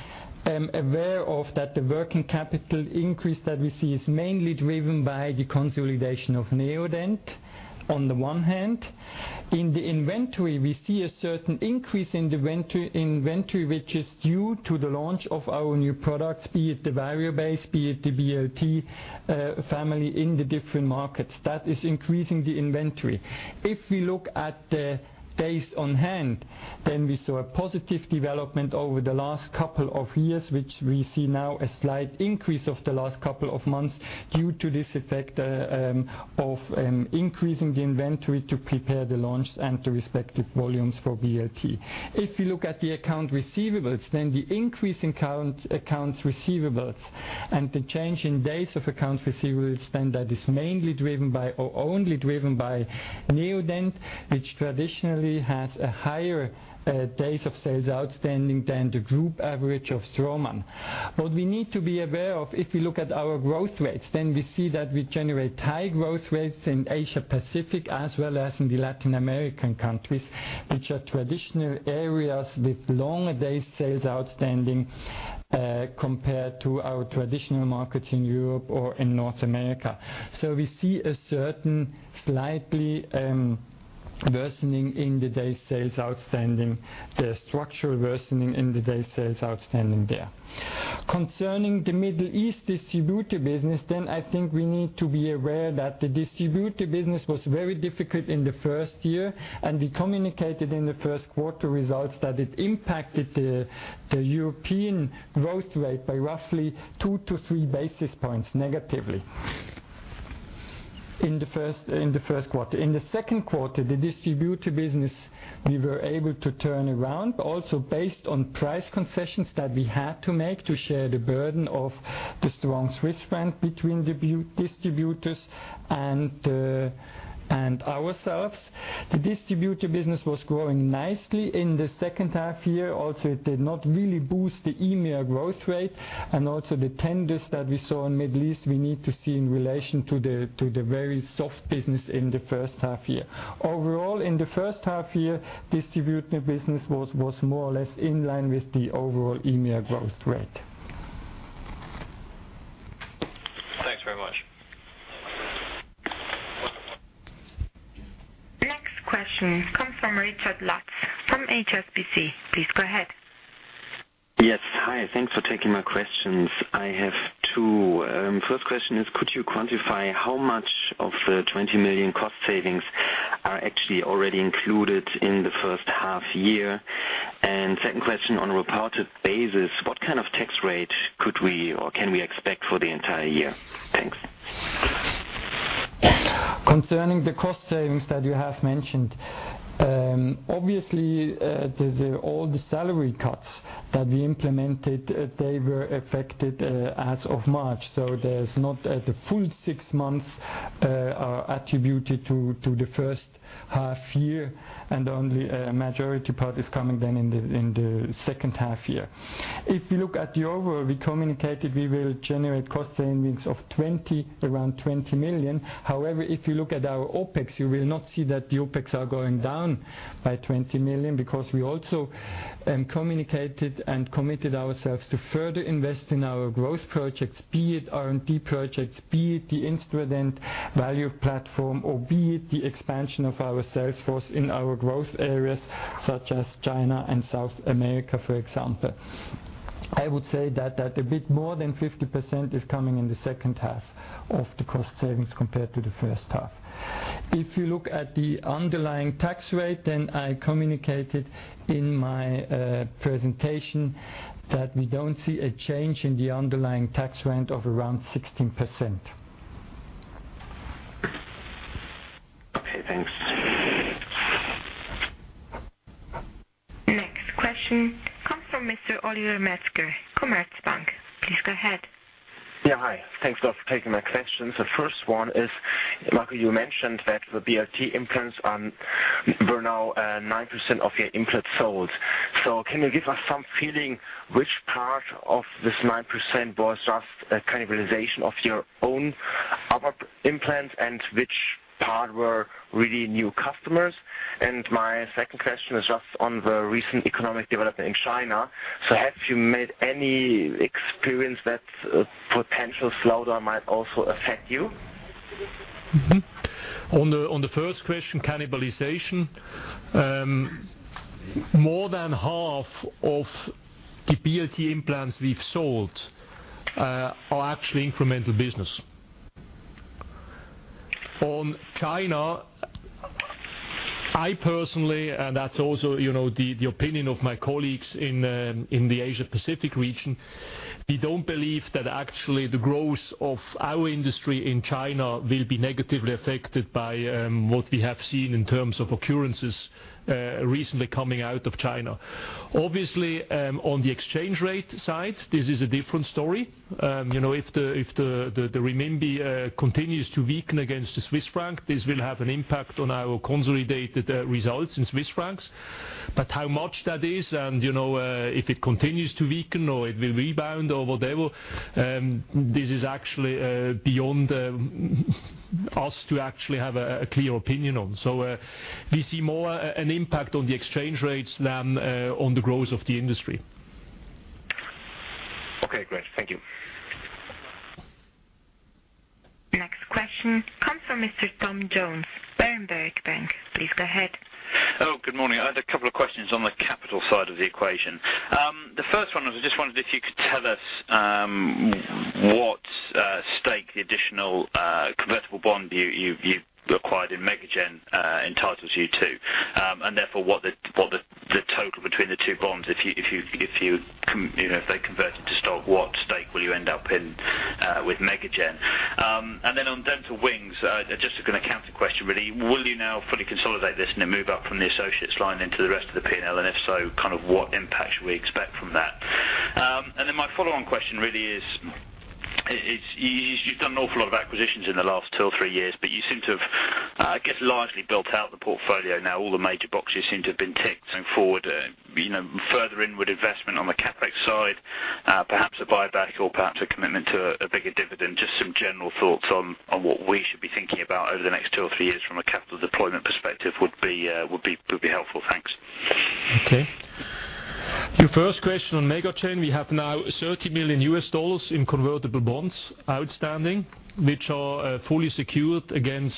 aware of that the working capital increase that we see is mainly driven by the consolidation of Neodent on the one hand. In the inventory, we see a certain increase in inventory which is due to the launch of our new products, be it the Variobase, be it the BLT family in the different markets. That is increasing the inventory. If we look at the days on hand, we saw a positive development over the last couple of years, which we see now a slight increase of the last couple of months due to this effect of increasing the inventory to prepare the launch and the respective volumes for BLT. If you look at the accounts receivables, then the increase in accounts receivables and the change in days of accounts receivables, then that is mainly driven by or only driven by Neodent, which traditionally has a higher days of sales outstanding than the group average of Straumann. What we need to be aware of, if we look at our growth rates, then we see that we generate high growth rates in Asia-Pacific as well as in the Latin American countries, which are traditional areas with long days sales outstanding compared to our traditional markets in Europe or in North America. We see a certain slightly worsening in the days sales outstanding, the structural worsening in the days sales outstanding there. Concerning the Middle East distributor business, then I think we need to be aware that the distributor business was very difficult in the first year, and we communicated in the first quarter results that it impacted the European growth rate by roughly 2 to 3 basis points negatively in the first quarter. In the second quarter, the distributor business, we were able to turn around also based on price concessions that we had to make to share the burden of the strong Swiss franc between distributors and ourselves. The distributor business was growing nicely in the second half year. It did not really boost the EMEA growth rate. The tenders that we saw in Middle East, we need to see in relation to the very soft business in the first half year. Overall, in the first half year, distributor business was more or less in line with the overall EMEA growth rate. Next question comes from [Richard Lat] from HSBC. Please go ahead. Yes. Hi. Thanks for taking my questions. I have two. First question is, could you quantify how much of the 20 million cost savings are actually already included in the first half-year? Second question, on a reported basis, what kind of tax rate could we or can we expect for the entire year? Thanks. Concerning the cost savings that you have mentioned, obviously, all the salary cuts that we implemented, they were affected as of March. The full six months are attributed to the first half-year, and only a majority part is coming then in the second half-year. If you look at the overall, we communicated we will generate cost savings of around 20 million. However, if you look at our OPEX, you will not see that the OPEX are going down by 20 million because we also communicated and committed ourselves to further invest in our growth projects, be it R&D projects, be it the Instrument Value Platform, or be it the expansion of our sales force in our growth areas such as China and South America, for example. I would say that a bit more than 50% is coming in the second half-year of the cost savings compared to the first half-year. If you look at the underlying tax rate, I communicated in my presentation that we don't see a change in the underlying tax rate of around 16%. Okay, thanks. Next question comes from Mr. Oliver Metzger, Commerzbank. Please go ahead. Yeah, hi. Thanks for taking my questions. The first one is, Marco, you mentioned that the BLT implants were now 9% of your implant sold. Can you give us some feeling which part of this 9% was just a cannibalization of your own implants and which part were really new customers? My second question is just on the recent economic development in China. Have you made any experience that potential slowdown might also affect you? Mm-hmm. On the first question, cannibalization. More than half of the BLT implants we've sold are actually incremental business. On China, I personally, and that's also the opinion of my colleagues in the Asia-Pacific region, we don't believe that actually the growth of our industry in China will be negatively affected by what we have seen in terms of occurrences recently coming out of China. Obviously, on the exchange rate side, this is a different story. If the renminbi continues to weaken against the Swiss franc, this will have an impact on our consolidated results in Swiss francs. How much that is, and if it continues to weaken or it will rebound or whatever, this is actually beyond us to actually have a clear opinion on. We see more an impact on the exchange rates than on the growth of the industry. Okay, great. Thank you. Next question comes from Mr. Tom Jones, Berenberg Bank. Please go ahead. Oh, good morning. I had a couple of questions on the capital side of the equation. The first one is, I just wondered if you could tell us what stake the additional convertible bond you acquired in MegaGen entitles you to, and therefore what the total between the two bonds, if they converted to stock, what stake will you end up in with MegaGen? On Dental Wings, just an account question really. Will you now fully consolidate this in a move up from the associates line into the rest of the P&L? If so, what impact should we expect from that? My follow-on question really is, you've done an awful lot of acquisitions in the last two or three years, but you seem to have, I guess, largely built out the portfolio now. All the major boxes seem to have been ticked going forward. Further inward investment on the CapEx side, perhaps a buyback or perhaps a commitment to a bigger dividend. Just some general thoughts on what we should be thinking about over the next two or three years from a capital deployment perspective would be helpful. Thanks. Okay. Your first question on MegaGen. We have now $30 million in convertible bonds outstanding, which are fully secured against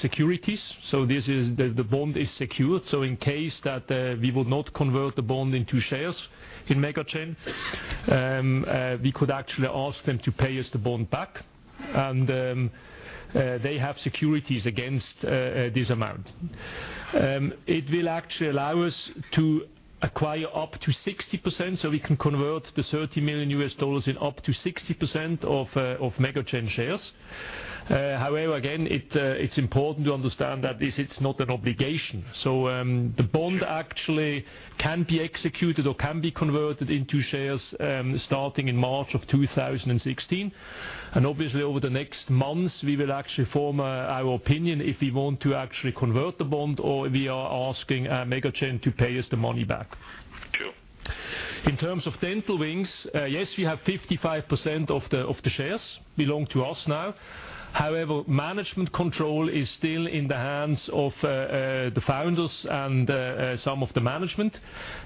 securities. The bond is secured. In case that we will not convert the bond into shares in MegaGen, we could actually ask them to pay us the bond back, and they have securities against this amount. It will actually allow us to acquire up to 60%, so we can convert the $30 million in up to 60% of MegaGen shares. Again, it's important to understand that this is not an obligation. The bond actually can be executed or can be converted into shares, starting in March of 2016. Obviously, over the next months, we will actually form our opinion if we want to actually convert the bond or we are asking MegaGen to pay us the money back. Sure. In terms of Dental Wings, yes, we have 55% of the shares belong to us now. However, management control is still in the hands of the founders and some of the management.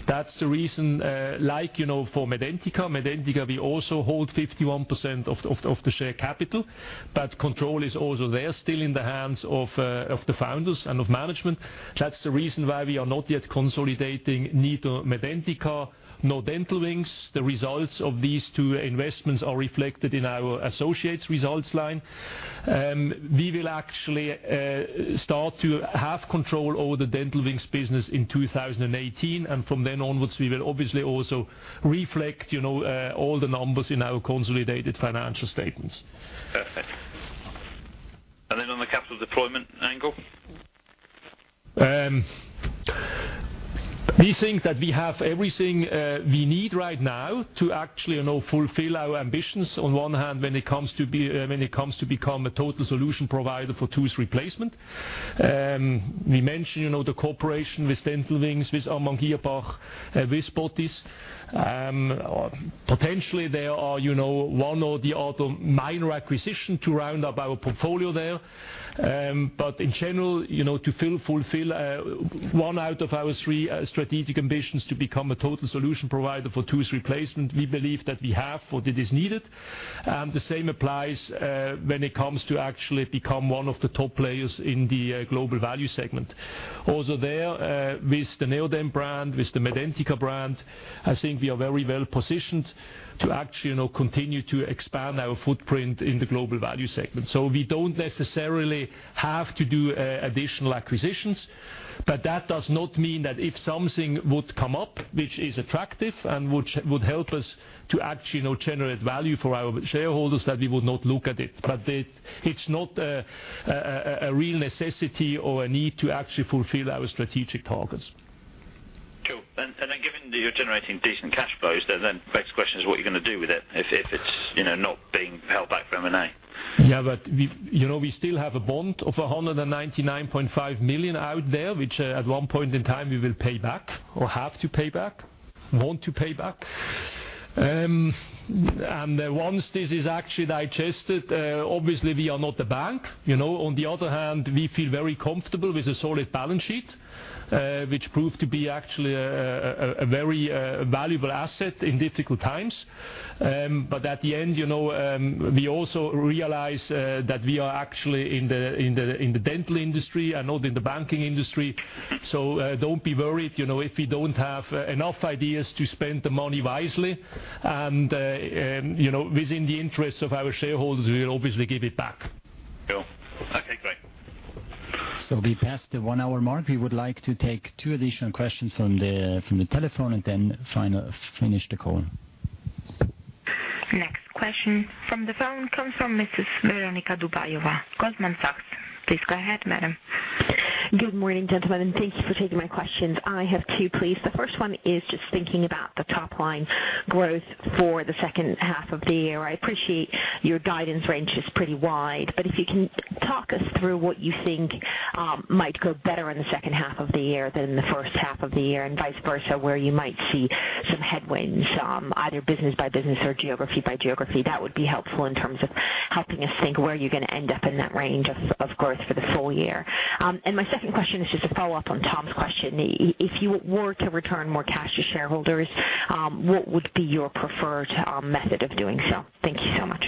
That's the reason, like for MEDENTiKA. MEDENTiKA, we also hold 51% of the share capital, but control is also there still in the hands of the founders and of management. That's the reason why we are not yet consolidating neither MEDENTiKA nor Dental Wings. The results of these two investments are reflected in our associates results line. We will actually start to have control over the Dental Wings business in 2018, and from then onwards, we will obviously also reflect all the numbers in our consolidated financial statements. Perfect. Then on the capital deployment angle? We think that we have everything we need right now to actually fulfill our ambitions. On one hand, when it comes to become a total solution provider for tooth replacement. We mentioned the cooperation with Dental Wings, with Amann Girrbach, with Botiss. Potentially there are one or the other minor acquisition to round up our portfolio there. In general, to fulfill one out of our three strategic ambitions to become a total solution provider for tooth replacement, we believe that we have what is needed. The same applies when it comes to actually become one of the top players in the global value segment. Also there, with the Neodent brand, with the MEDENTiKA brand, I think we are very well positioned to actually continue to expand our footprint in the global value segment. We don't necessarily have to do additional acquisitions. That does not mean that if something would come up, which is attractive and which would help us to actually generate value for our shareholders, that we would not look at it. It's not a real necessity or a need to actually fulfill our strategic targets. Cool. Given that you're generating decent cash flows then, next question is what you're going to do with it if it's not being held back for M&A. Yeah, we still have a bond of 199.5 million out there, which at one point in time we will pay back or have to pay back, want to pay back. Once this is actually digested, obviously we are not a bank. On the other hand, we feel very comfortable with a solid balance sheet, which proved to be actually a very valuable asset in difficult times. At the end, we also realize that we are actually in the dental industry and not in the banking industry. Don't be worried, if we don't have enough ideas to spend the money wisely. Within the interests of our shareholders, we will obviously give it back. Cool. Okay, great. We passed the one-hour mark. We would like to take two additional questions from the telephone and then finish the call. Next question from the phone comes from Mrs. Veronika Dubajova, Goldman Sachs. Please go ahead, madam. Good morning, gentlemen. Thank you for taking my questions. I have two, please. The first one is just thinking about the top-line growth for the second half of the year. I appreciate your guidance range is pretty wide, but if you can talk us through what you think might go better in the second half of the year than the first half of the year, and vice versa, where you might see some headwinds, either business by business or geography by geography, that would be helpful in terms of helping us think where you're going to end up in that range of growth for the full year. My second question is just a follow-up on Tom's question. If you were to return more cash to shareholders, what would be your preferred method of doing so? Thank you so much.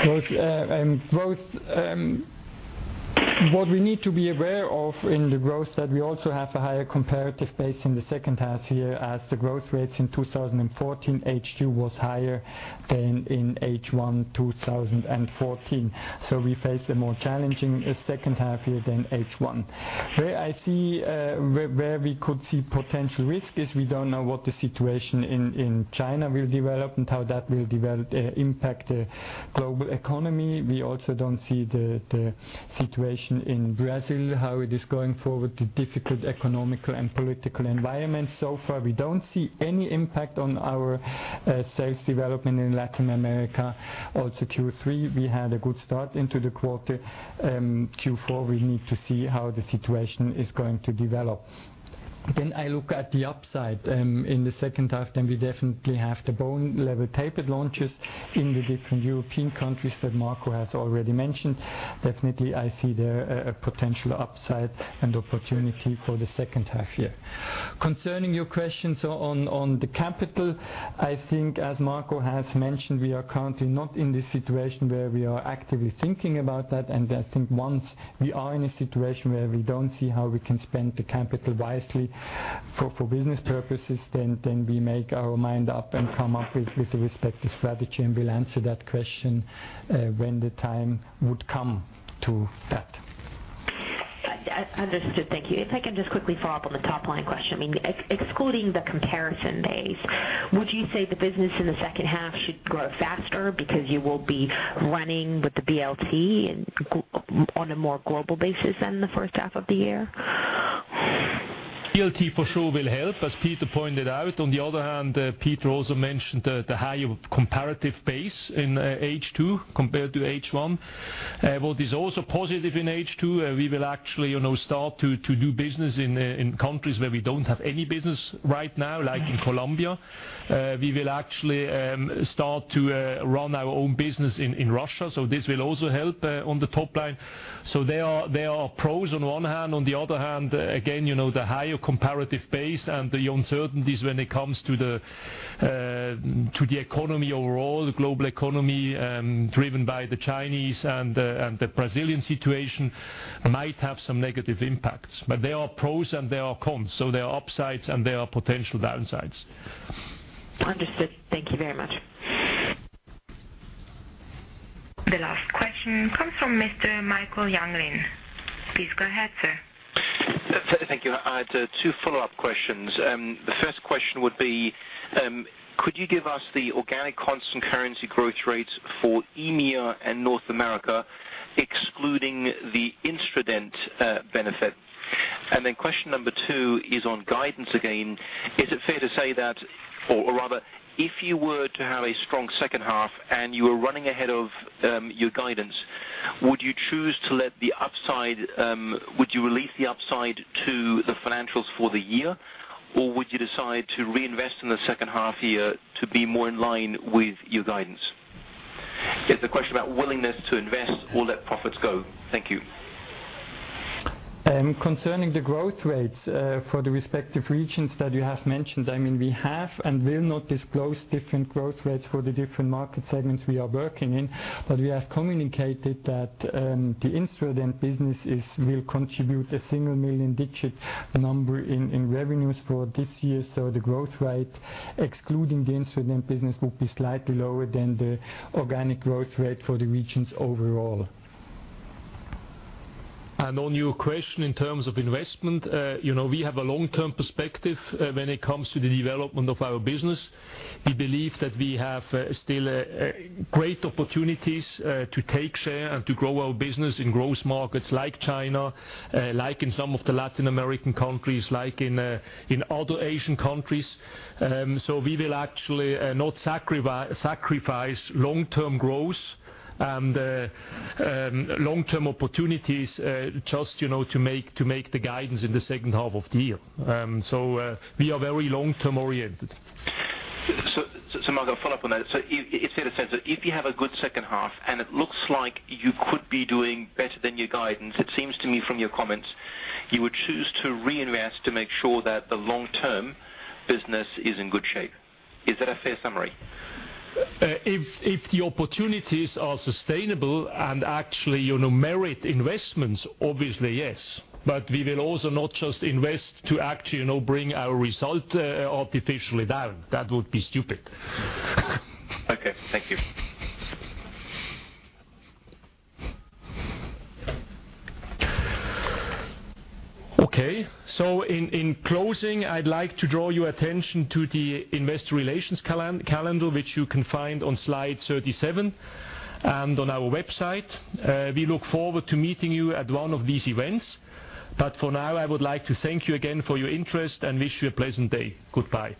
Growth. What we need to be aware of in the growth that we also have a higher comparative base in the second half year as the growth rates in 2014 H2 was higher than in H1 2014. We face a more challenging second half year than H1. Where we could see potential risk is we don't know what the situation in China will develop and how that will impact the global economy. We also don't see the situation in Brazil, how it is going forward, the difficult economical and political environment. So far, we don't see any impact on our sales development in Latin America. Also Q3, we had a good start into the quarter. Q4, we need to see how the situation is going to develop. I look at the upside. In the second half, we definitely have the Bone Level Tapered launches in the different European countries that Marco has already mentioned. Definitely, I see there a potential upside and opportunity for the second half year. Concerning your questions on the capital, I think as Marco has mentioned, we are currently not in the situation where we are actively thinking about that. I think once we are in a situation where we don't see how we can spend the capital wisely for business purposes, we make our mind up and come up with a respective strategy, and we'll answer that question when the time would come to that. Understood. Thank you. If I can just quickly follow up on the top-line question. Excluding the comparison days, would you say the business in the second half should grow faster because you will be running with the BLT on a more global basis than the first half of the year? BLT for sure will help, as Peter pointed out. On the other hand, Peter also mentioned the higher comparative base in H2 compared to H1. What is also positive in H2, we will actually start to do business in countries where we don't have any business right now, like in Colombia. We will actually start to run our own business in Russia, this will also help on the top line. There are pros on one hand. On the other hand, again, the higher comparative base and the uncertainties when it comes to the economy overall, the global economy, driven by the Chinese and the Brazilian situation, might have some negative impacts. There are pros and there are cons, so there are upsides and there are potential downsides. Understood. Thank you very much. The last question comes from Mr. Michael Jüngling. Please go ahead, sir. Thank you. I had two follow-up questions. The first question would be, could you give us the organic constant currency growth rates for EMEA and North America, excluding the Instadent benefit? Question 2 is on guidance again. Is it fair to say that, or rather, if you were to have a strong second half and you were running ahead of your guidance, would you choose to let the upside, would you release the upside to the financials for the year, or would you decide to reinvest in the second half year to be more in line with your guidance? It's a question about willingness to invest or let profits go. Thank you. Concerning the growth rates for the respective regions that you have mentioned, we have and will not disclose different growth rates for the different market segments we are working in. We have communicated that the Instadent business will contribute a single million digit number in revenues for this year. The growth rate, excluding the Instadent business, will be slightly lower than the organic growth rate for the regions overall. On your question in terms of investment, we have a long-term perspective when it comes to the development of our business. We believe that we have still great opportunities to take share and to grow our business in growth markets like China, like in some of the Latin American countries, like in other Asian countries. We will actually not sacrifice long-term growth and long-term opportunities just to make the guidance in the second half of the year. We are very long-term oriented. Michael, follow up on that. Is it fair to say that if you have a good second half and it looks like you could be doing better than your guidance, it seems to me from your comments, you would choose to reinvest to make sure that the long-term business is in good shape. Is that a fair summary? If the opportunities are sustainable and actually merit investments, obviously, yes. We will also not just invest to actually bring our result artificially down. That would be stupid. Okay. Thank you. Okay. In closing, I'd like to draw your attention to the investor relations calendar, which you can find on slide 37 and on our website. We look forward to meeting you at one of these events. For now, I would like to thank you again for your interest and wish you a pleasant day. Goodbye.